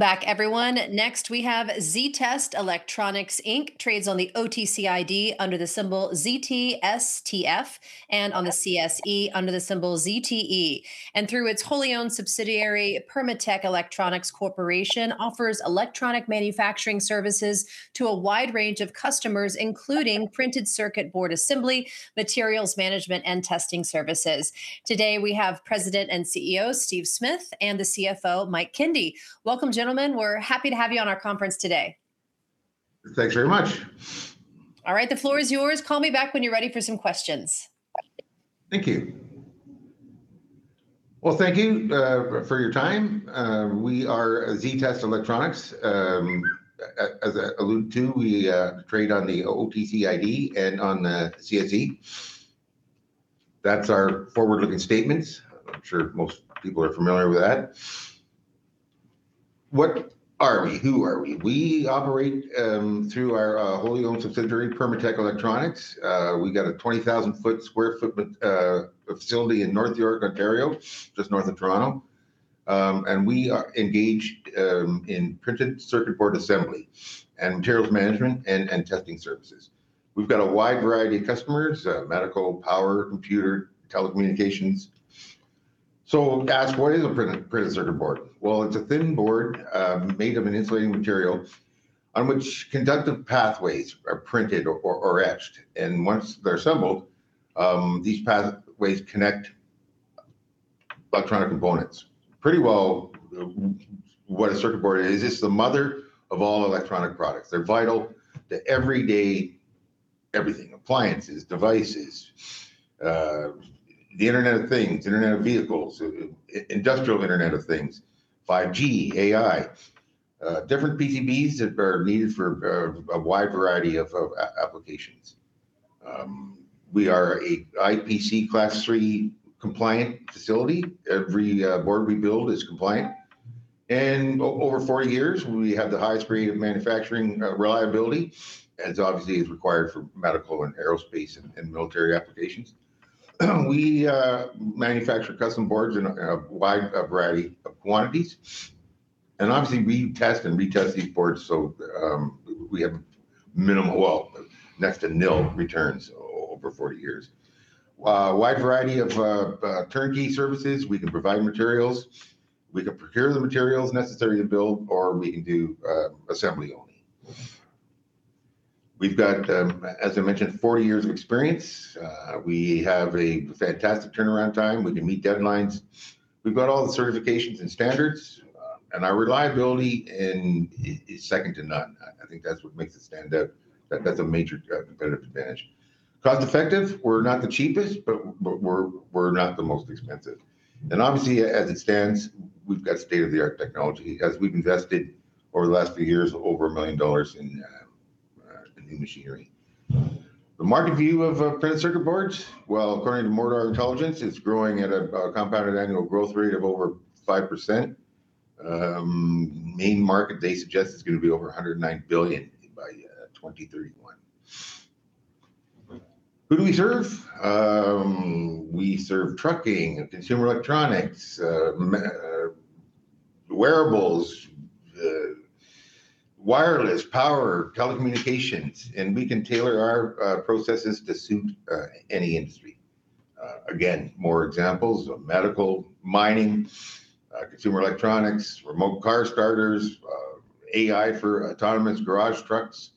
A: Welcome back, everyone. Next, we have ZTEST Electronics Inc., trades on the OTCID under the symbol ZTSTF and on the CSE under the symbol ZTE. Through its wholly-owned subsidiary, Permatech Electronics Corporation, offers electronic manufacturing services to a wide range of customers, including printed circuit board assembly, materials management, and testing services. Today, we have President and CEO, Steve Smith, and the CFO, Mike Kindy. Welcome, gentlemen. We're happy to have you on our conference today.
D: Thanks very much.
A: All right, the floor is yours. Call me back when you're ready for some questions.
D: Thank you. Well, thank you for your time. We are ZTEST Electronics. As I alluded to, we trade on the OTCID and on the CSE. That's our forward-looking statements. I'm sure most people are familiar with that. What are we? Who are we? We operate through our wholly-owned subsidiary, Permatech Electronics. We got a 20,000 sq ft facility in North York, Ontario, just north of Toronto. We are engaged in printed circuit board assembly and materials management and testing services. We've got a wide variety of customers, medical, power, computer, telecommunications. Ask, what is a printed circuit board? Well, it's a thin board made of an insulating material on which conductive pathways are printed or etched. Once they're assembled, these pathways connect electronic components. Pretty well what a circuit board is, it's the mother of all electronic products. They're vital to everyday everything, appliances, devices, the Internet of Things, Internet of vehicles, industrial Internet of Things, 5G, AI. Different PCBs are needed for a wide variety of applications. We are an IPC Class III compliant facility. Every board we build is compliant. Over 40 years, we have the highest grade of manufacturing reliability, as obviously is required for medical and aerospace and military applications. We manufacture custom boards in a wide variety of quantities. Obviously, we test and retest these boards, so we have minimal, next to nil returns over 40 years. A wide variety of turnkey services. We can provide materials, we can procure the materials necessary to build, or we can do assembly only. We've got, as I mentioned, 40 years of experience. We have a fantastic turnaround time. We can meet deadlines. We've got all the certifications and standards, and our reliability is second to none. I think that's what makes it stand out. That's a major competitive advantage. Cost-effective. We're not the cheapest, but we're not the most expensive. Obviously, as it stands, we've got state-of-the-art technology, as we've invested over the last few years over $1 million in new machinery. The market view of printed circuit boards, well, according to Mordor Intelligence, it's growing at a compounded annual growth rate of over 5%. Main market, they suggest it's going to be over $109 billion by 2031. Who do we serve? We serve trucking, consumer electronics, wearables, wireless, power, telecommunications, and we can tailor our processes to suit any industry. Again, more examples of medical, mining, consumer electronics, remote car starters, AI for autonomous garbage trucks,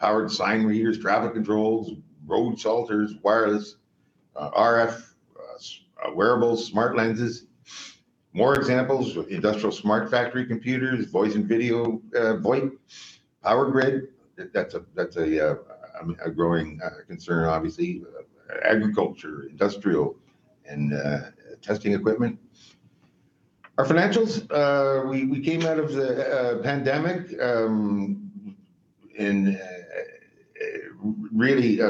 D: powered sign readers, traffic controls, road shelters, wireless, RF, wearable smart lenses. More examples, industrial smart factory computers, voice and video, VoIP, power grid. That's a growing concern, obviously. Agriculture, industrial, and testing equipment. Our financials, we came out of the pandemic in really-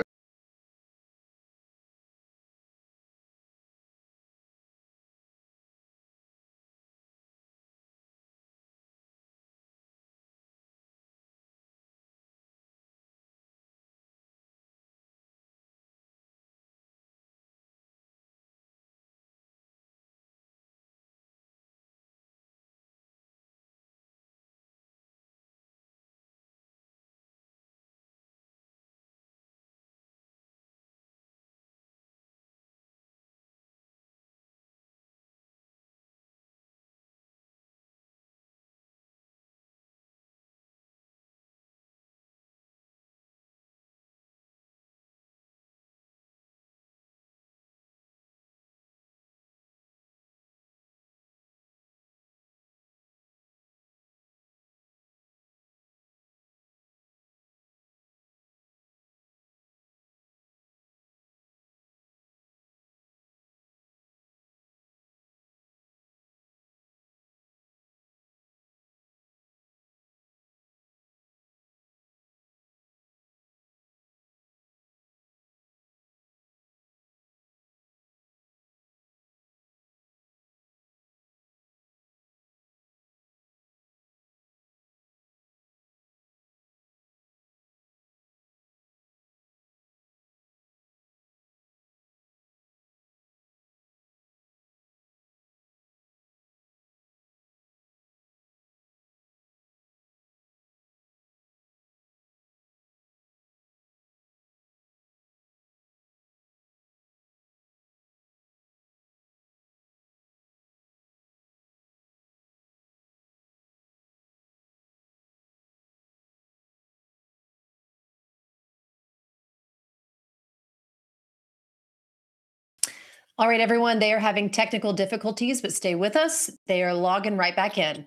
A: All right, everyone. They are having technical difficulties, but stay with us. They are logging right back in.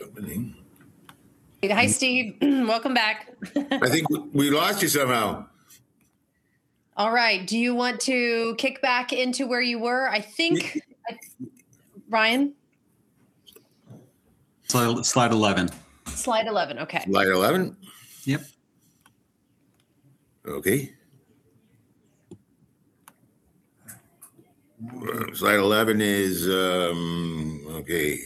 D: Opening.
A: Hi, Steve. Welcome back.
D: I think we lost you somehow.
A: All right. Do you want to kick back into where you were? I think.
D: Yeah.
A: Ryan?
E: Slide 11.
A: Slide 11. Okay.
D: Slide 11?
F: Yep.
D: Okay. Slide 11 is okay.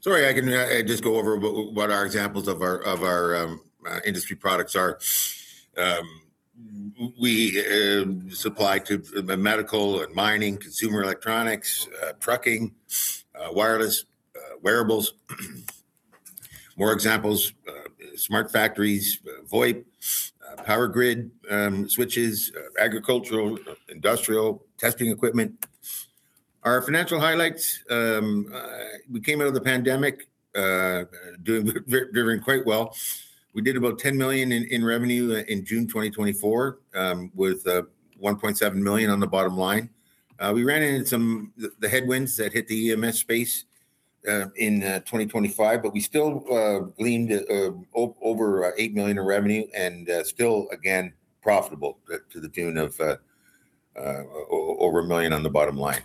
D: Sorry, I can just go over what our examples of our industry products are. We supply to medical and mining, consumer electronics, trucking, wireless, wearables. More examples, smart factories, VoIP, power grid, switches, agricultural, industrial testing equipment. Our financial highlights, we came out of the pandemic, doing very quite well. We did about $10 million in revenue in June 2024, with $1.7 million on the bottom line. We ran into some of the headwinds that hit the EMS space in 2025, but we still gleaned over $8 million of revenue, and still, again, profitable to the tune of over $1 million on the bottom line.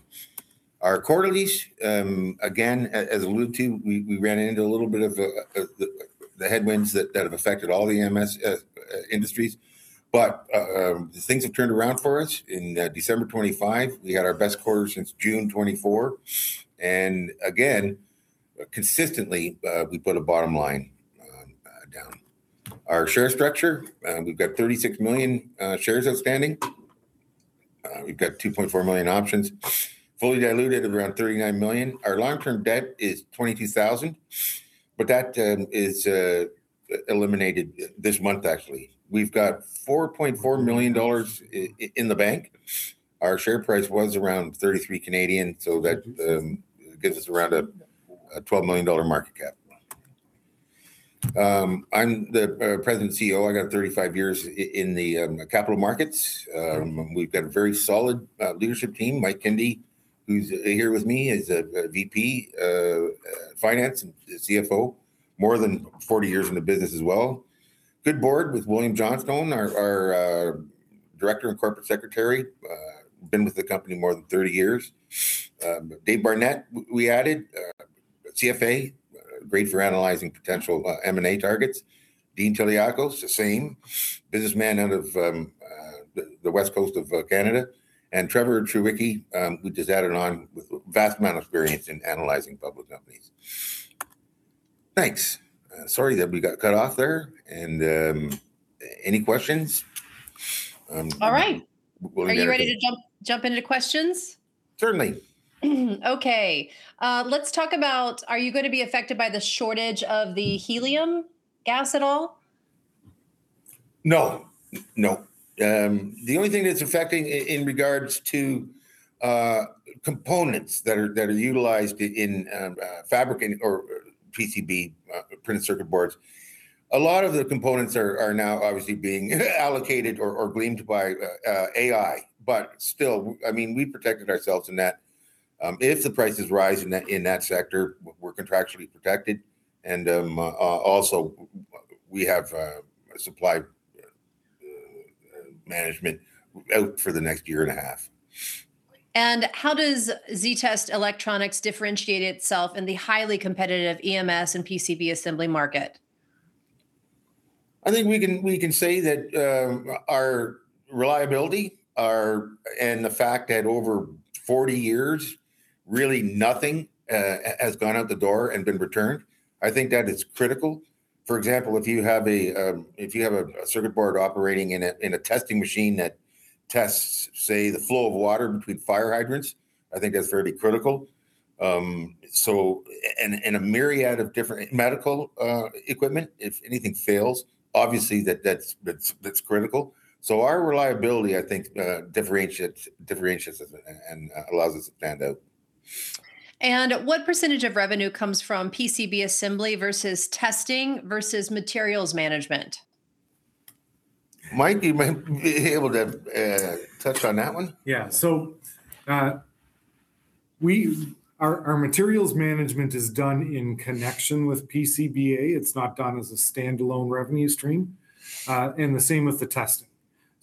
D: Our Q3 results, again, as alluded to, we ran into a little bit of the headwinds that have affected all the EMS industries. Things have turned around for us. In December 2025, we had our best quarter since June 2024. Again, consistently, we put a bottom line down. Our share structure, we've got 36 million shares outstanding. We've got 2.4 million options, fully diluted around 39 million. Our long-term debt is 22,000, but that is eliminated this month actually. We've got 4.4 million dollars in the bank. Our share price was around 33 million, so that gives us around a 12 million dollar market cap. I'm the President CEO. I got 35 years in the capital markets. We've got a very solid leadership team. Mike Kindy, who's here with me, is VP Finance and CFO. More than 40 years in the business as well. Good board with William J. Bender, our Director and Corporate Secretary. Been with the company more than 30 years. David Barnett, we added, CFA, great for analyzing potential M&A targets. Dean Tyliakos, the same. Businessman out of the West Coast of Canada. Trevor Treweeke, who just added on with vast amount of experience in analyzing public companies. Thanks. Sorry that we got cut off there and any questions?
A: All right.
D: We are good.
A: Are you ready to jump into questions?
D: Certainly.
A: Okay. Let's talk about are you going to be affected by the shortage of the helium gas at all?
D: No. The only thing that's affecting in regards to components that are utilized in fabricating or PCB printed circuit boards, a lot of the components are now obviously being allocated or gleaned by AI. Still, I mean, we protected ourselves in that. If the prices rise in that sector, we're contractually protected, and also we have a supply management out for the next year and a half.
A: How does ZTEST Electronics differentiate itself in the highly competitive EMS and PCB assembly market?
D: I think we can say that our reliability and the fact that over 40 years really nothing has gone out the door and been returned, I think that is critical. For example, if you have a circuit board operating in a testing machine that tests, say, the flow of water between fire hydrants, I think that's fairly critical. And a myriad of different medical equipment, if anything fails, obviously that's critical. Our reliability, I think, differentiates us and allows us to stand out.
A: What percentage of revenue comes from PCB assembly versus testing versus materials management?
D: Mike, you might be able to touch on that one.
G: Yeah, our materials management is done in connection with PCBA. It's not done as a standalone revenue stream. The same with the testing.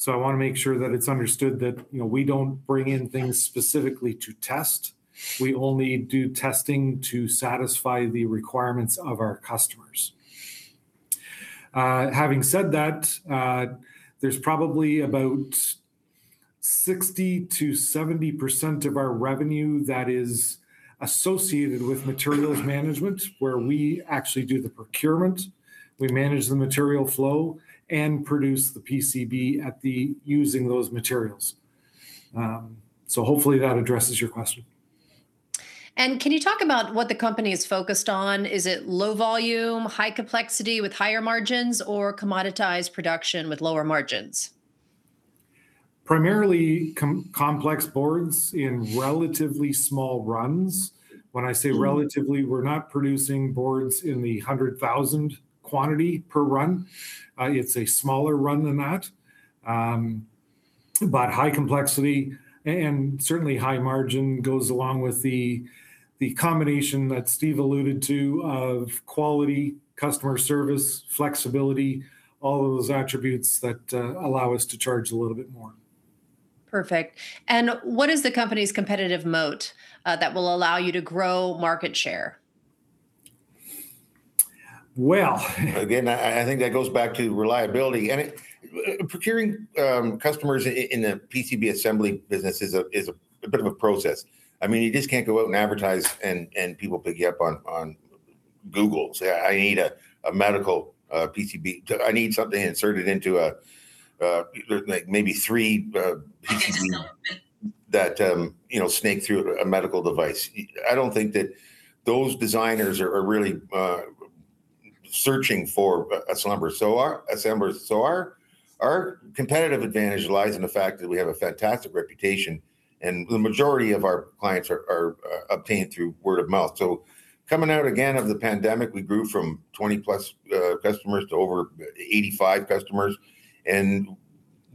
G: I want to make sure that it's understood that, you know, we don't bring in things specifically to test. We only do testing to satisfy the requirements of our customers. Having said that, there's probably about 60%-70% of our revenue that is associated with materials management, where we actually do the procurement, we manage the material flow, and produce the PCB using those materials. Hopefully that addresses your question.
A: Can you talk about what the company is focused on? Is it low volume, high complexity with higher margins, or commoditized production with lower margins?
G: Primarily complex boards in relatively small runs. When I say relatively, we're not producing boards in the 100,000 quantity per run. It's a smaller run than that. But high complexity, and certainly high margin goes along with the combination that Steve alluded to of quality, customer service, flexibility, all of those attributes that allow us to charge a little bit more.
A: Perfect. What is the company's competitive moat, that will allow you to grow market share?
G: Well
D: Again, I think that goes back to reliability. Procuring customers in the PCB assembly business is a bit of a process. I mean, you just can't go out and advertise and people pick you up on Google. Say, "I need a medical PCB. I need something inserted into a like maybe three PCB that, you know, snake through a medical device. I don't think that those designers are really searching for an assembler. Our competitive advantage lies in the fact that we have a fantastic reputation, and the majority of our clients are obtained through word of mouth. Coming out again of the pandemic, we grew from 20+ customers to over 85 customers, and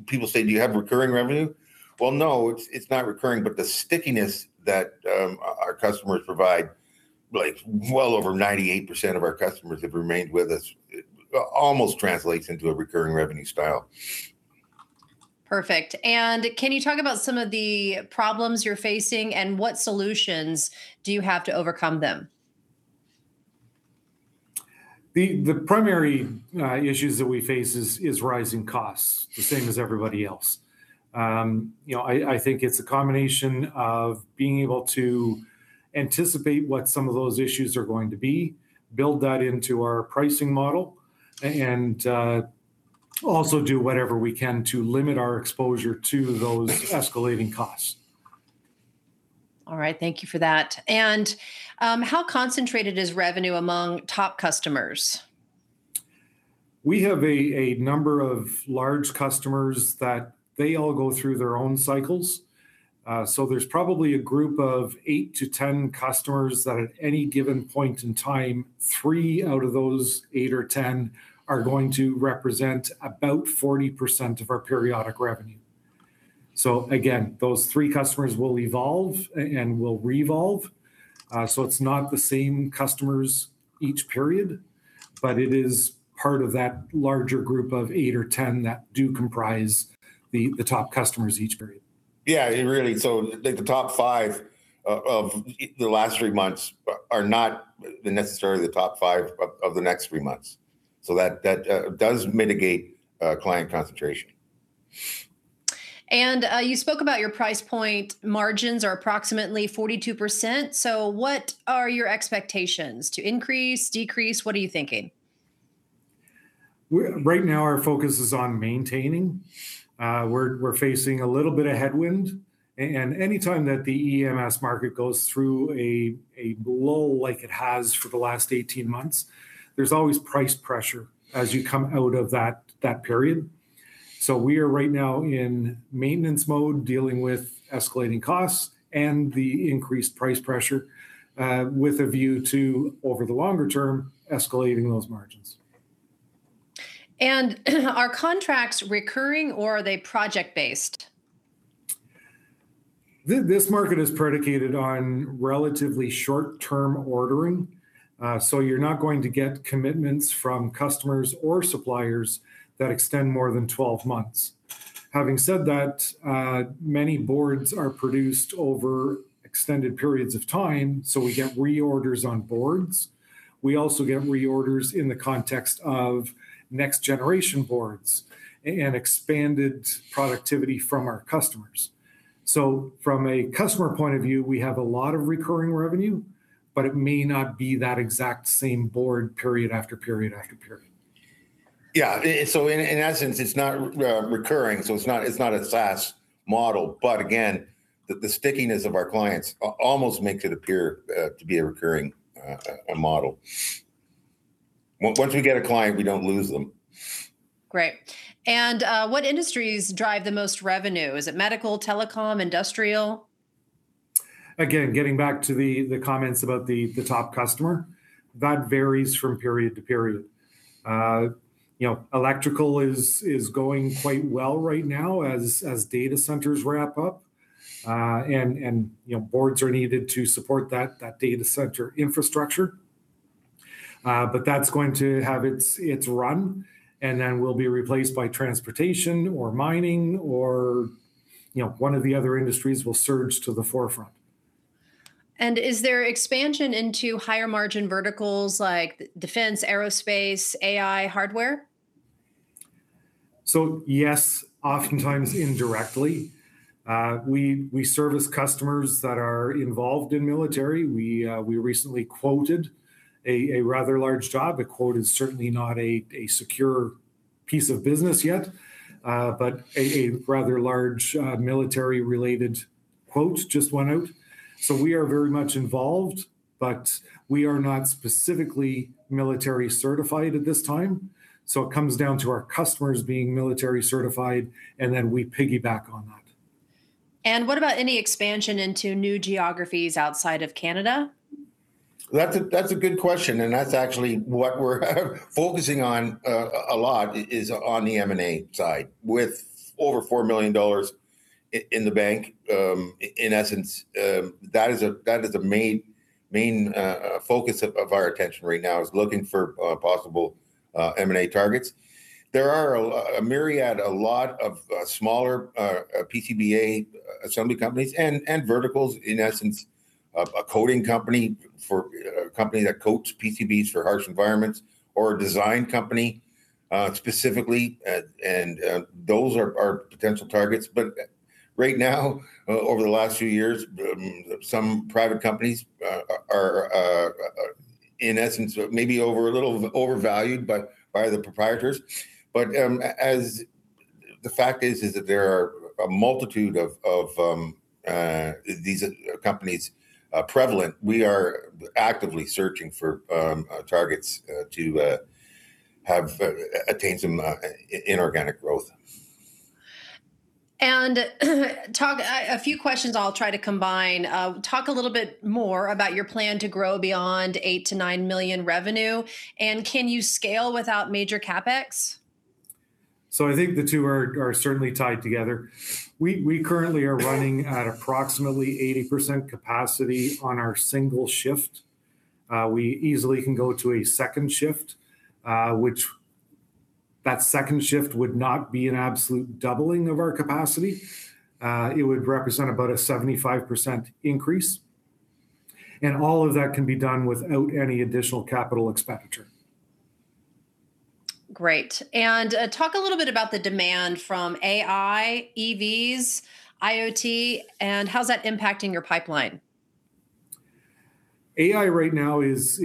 D: people say, "Do you have recurring revenue?" Well, no, it's not recurring, but the stickiness that our customers provide, like, well over 98% of our customers have remained with us, almost translates into a recurring revenue style.
A: Perfect. Can you talk about some of the problems you're facing, and what solutions do you have to overcome them?
G: The primary issues that we face is rising costs, the same as everybody else. You know, I think it's a combination of being able to anticipate what some of those issues are going to be, build that into our pricing model, and also do whatever we can to limit our exposure to those escalating costs.
A: All right. Thank you for that. How concentrated is revenue among top customers?
G: We have a number of large customers that they all go through their own cycles. There's probably a group of eight to 10 customers that at any given point in time, three out of those eight or 10 are going to represent about 40% of our periodic revenue. Again, those three customers will evolve and will revolve, so it's not the same customers each period, but it is part of that larger group of eight or 10 that do comprise the top customers each period.
D: Yeah. Really, so, like, the top five of the last three months are not necessarily the top five of the next three months. That does mitigate client concentration.
A: You spoke about your price point. Margins are approximately 42%, so what are your expectations? To increase, decrease, what are you thinking?
G: Right now our focus is on maintaining. We're facing a little bit of headwind, and any time that the EMS market goes through a lull like it has for the last 18 months, there's always price pressure as you come out of that period. We are right now in maintenance mode, dealing with escalating costs and the increased price pressure, with a view to, over the longer term, escalating those margins.
A: Are contracts recurring or are they project-based?
G: This market is predicated on relatively short-term ordering, so you're not going to get commitments from customers or suppliers that extend more than 12 months. Having said that, many boards are produced over extended periods of time, so we get reorders on boards. We also get reorders in the context of next generation boards and expanded productivity from our customers. From a customer point of view, we have a lot of recurring revenue, but it may not be that exact same board period after period after period.
D: In essence, it's not recurring, so it's not a SaaS model. Again, the stickiness of our clients almost makes it appear to be a recurring model. Once we get a client, we don't lose them.
A: Great. What industries drive the most revenue? Is it medical, telecom, industrial?
G: Again, getting back to the comments about the top customer, that varies from period to period. You know, electrical is going quite well right now as data centers wrap up. You know, boards are needed to support that data center infrastructure. That's going to have its run, and then will be replaced by transportation or mining or, you know, one of the other industries will surge to the forefront.
A: Is there expansion into higher margin verticals like defense, aerospace, AI hardware?
G: Yes, oftentimes indirectly. We service customers that are involved in military. We recently quoted a rather large job. The quote is certainly not a secure piece of business yet, but a rather large military related quote just went out. We are very much involved, but we are not specifically military certified at this time. It comes down to our customers being military certified, and then we piggyback on that.
A: What about any expansion into new geographies outside of Canada?
D: That's a good question, and that's actually what we're focusing on a lot is on the M&A side. With over $4 million in the bank, in essence, that is a main focus of our attention right now is looking for possible M&A targets. There are a myriad, a lot of smaller PCBA assembly companies and verticals, in essence. A coating company for a company that coats PCBs for harsh environments, or a design company specifically, and those are potential targets. Right now, over the last few years, some private companies are in essence maybe a little overvalued by the proprietors. As the fact is that there are a multitude of these companies prevalent. We are actively searching for targets to attain some inorganic growth.
A: A few questions I'll try to combine. Talk a little bit more about your plan to grow beyond $8 million-$9 million revenue, and can you scale without major CapEx?
G: I think the two are certainly tied together. We currently are running at approximately 80% capacity on our single shift. We easily can go to a second shift, which that second shift would not be an absolute doubling of our capacity. It would represent about a 75% increase, and all of that can be done without any additional capital expenditure.
A: Great. Talk a little bit about the demand from AI, EVs, IoT, and how's that impacting your pipeline?
G: AI right now is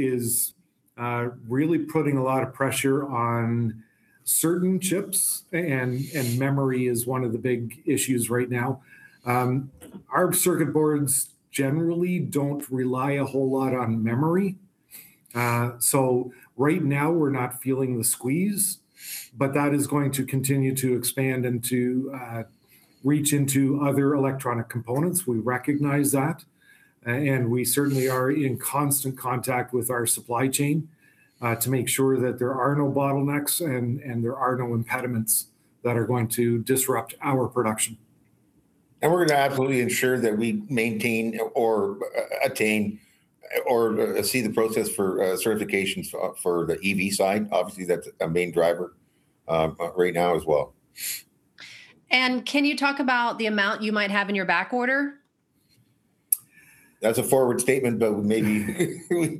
G: really putting a lot of pressure on certain chips, and memory is one of the big issues right now. Our circuit boards generally don't rely a whole lot on memory. So right now we're not feeling the squeeze, but that is going to continue to expand into reach into other electronic components. We recognize that, and we certainly are in constant contact with our supply chain to make sure that there are no bottlenecks and there are no impediments that are going to disrupt our production.
D: We're going to absolutely ensure that we maintain or attain or see the process for certifications for the EV side. Obviously, that's a main driver right now as well.
A: Can you talk about the amount you might have in your back order?
D: That's a forward-looking statement, but maybe.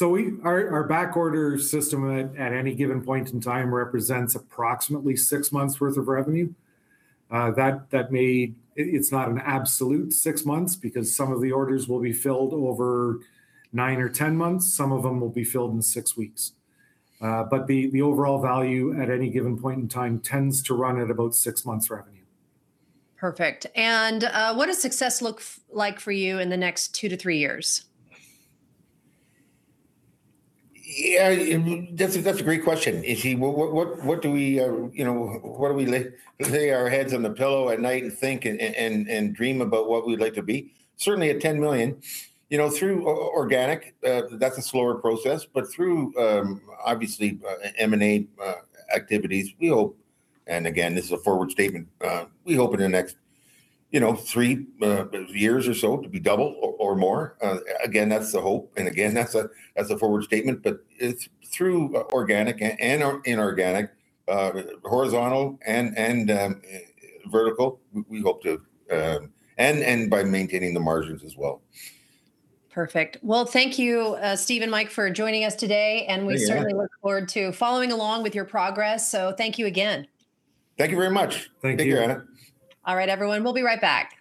G: Our back order system at any given point in time represents approximately six months' worth of revenue. It's not an absolute six months because some of the orders will be filled over nine or 10 months, some of them will be filled in six weeks. The overall value at any given point in time tends to run at about six months revenue.
A: Perfect. What does success look like for you in the next two to three years?
D: Yeah, that's a great question, what do we lay our heads on the pillow at night and think and dream about what we'd like to be? Certainly $10 million. You know, through organic, that's a slower process, but through, obviously, M&A activities, we hope, and again, this is a forward statement, we hope in the next three years or so to be double or more. Again, that's the hope, and again, that's a forward statement. It's through organic and inorganic, horizontal and vertical, and by maintaining the margins as well.
A: Perfect. Well, thank you, Steve and Mike, for joining us today.
D: Yeah.
A: We certainly look forward to following along with your progress. Thank you again.
D: Thank you very much.
G: Thank you.
D: Thank you, Ana.
A: All right, everyone, we'll be right back.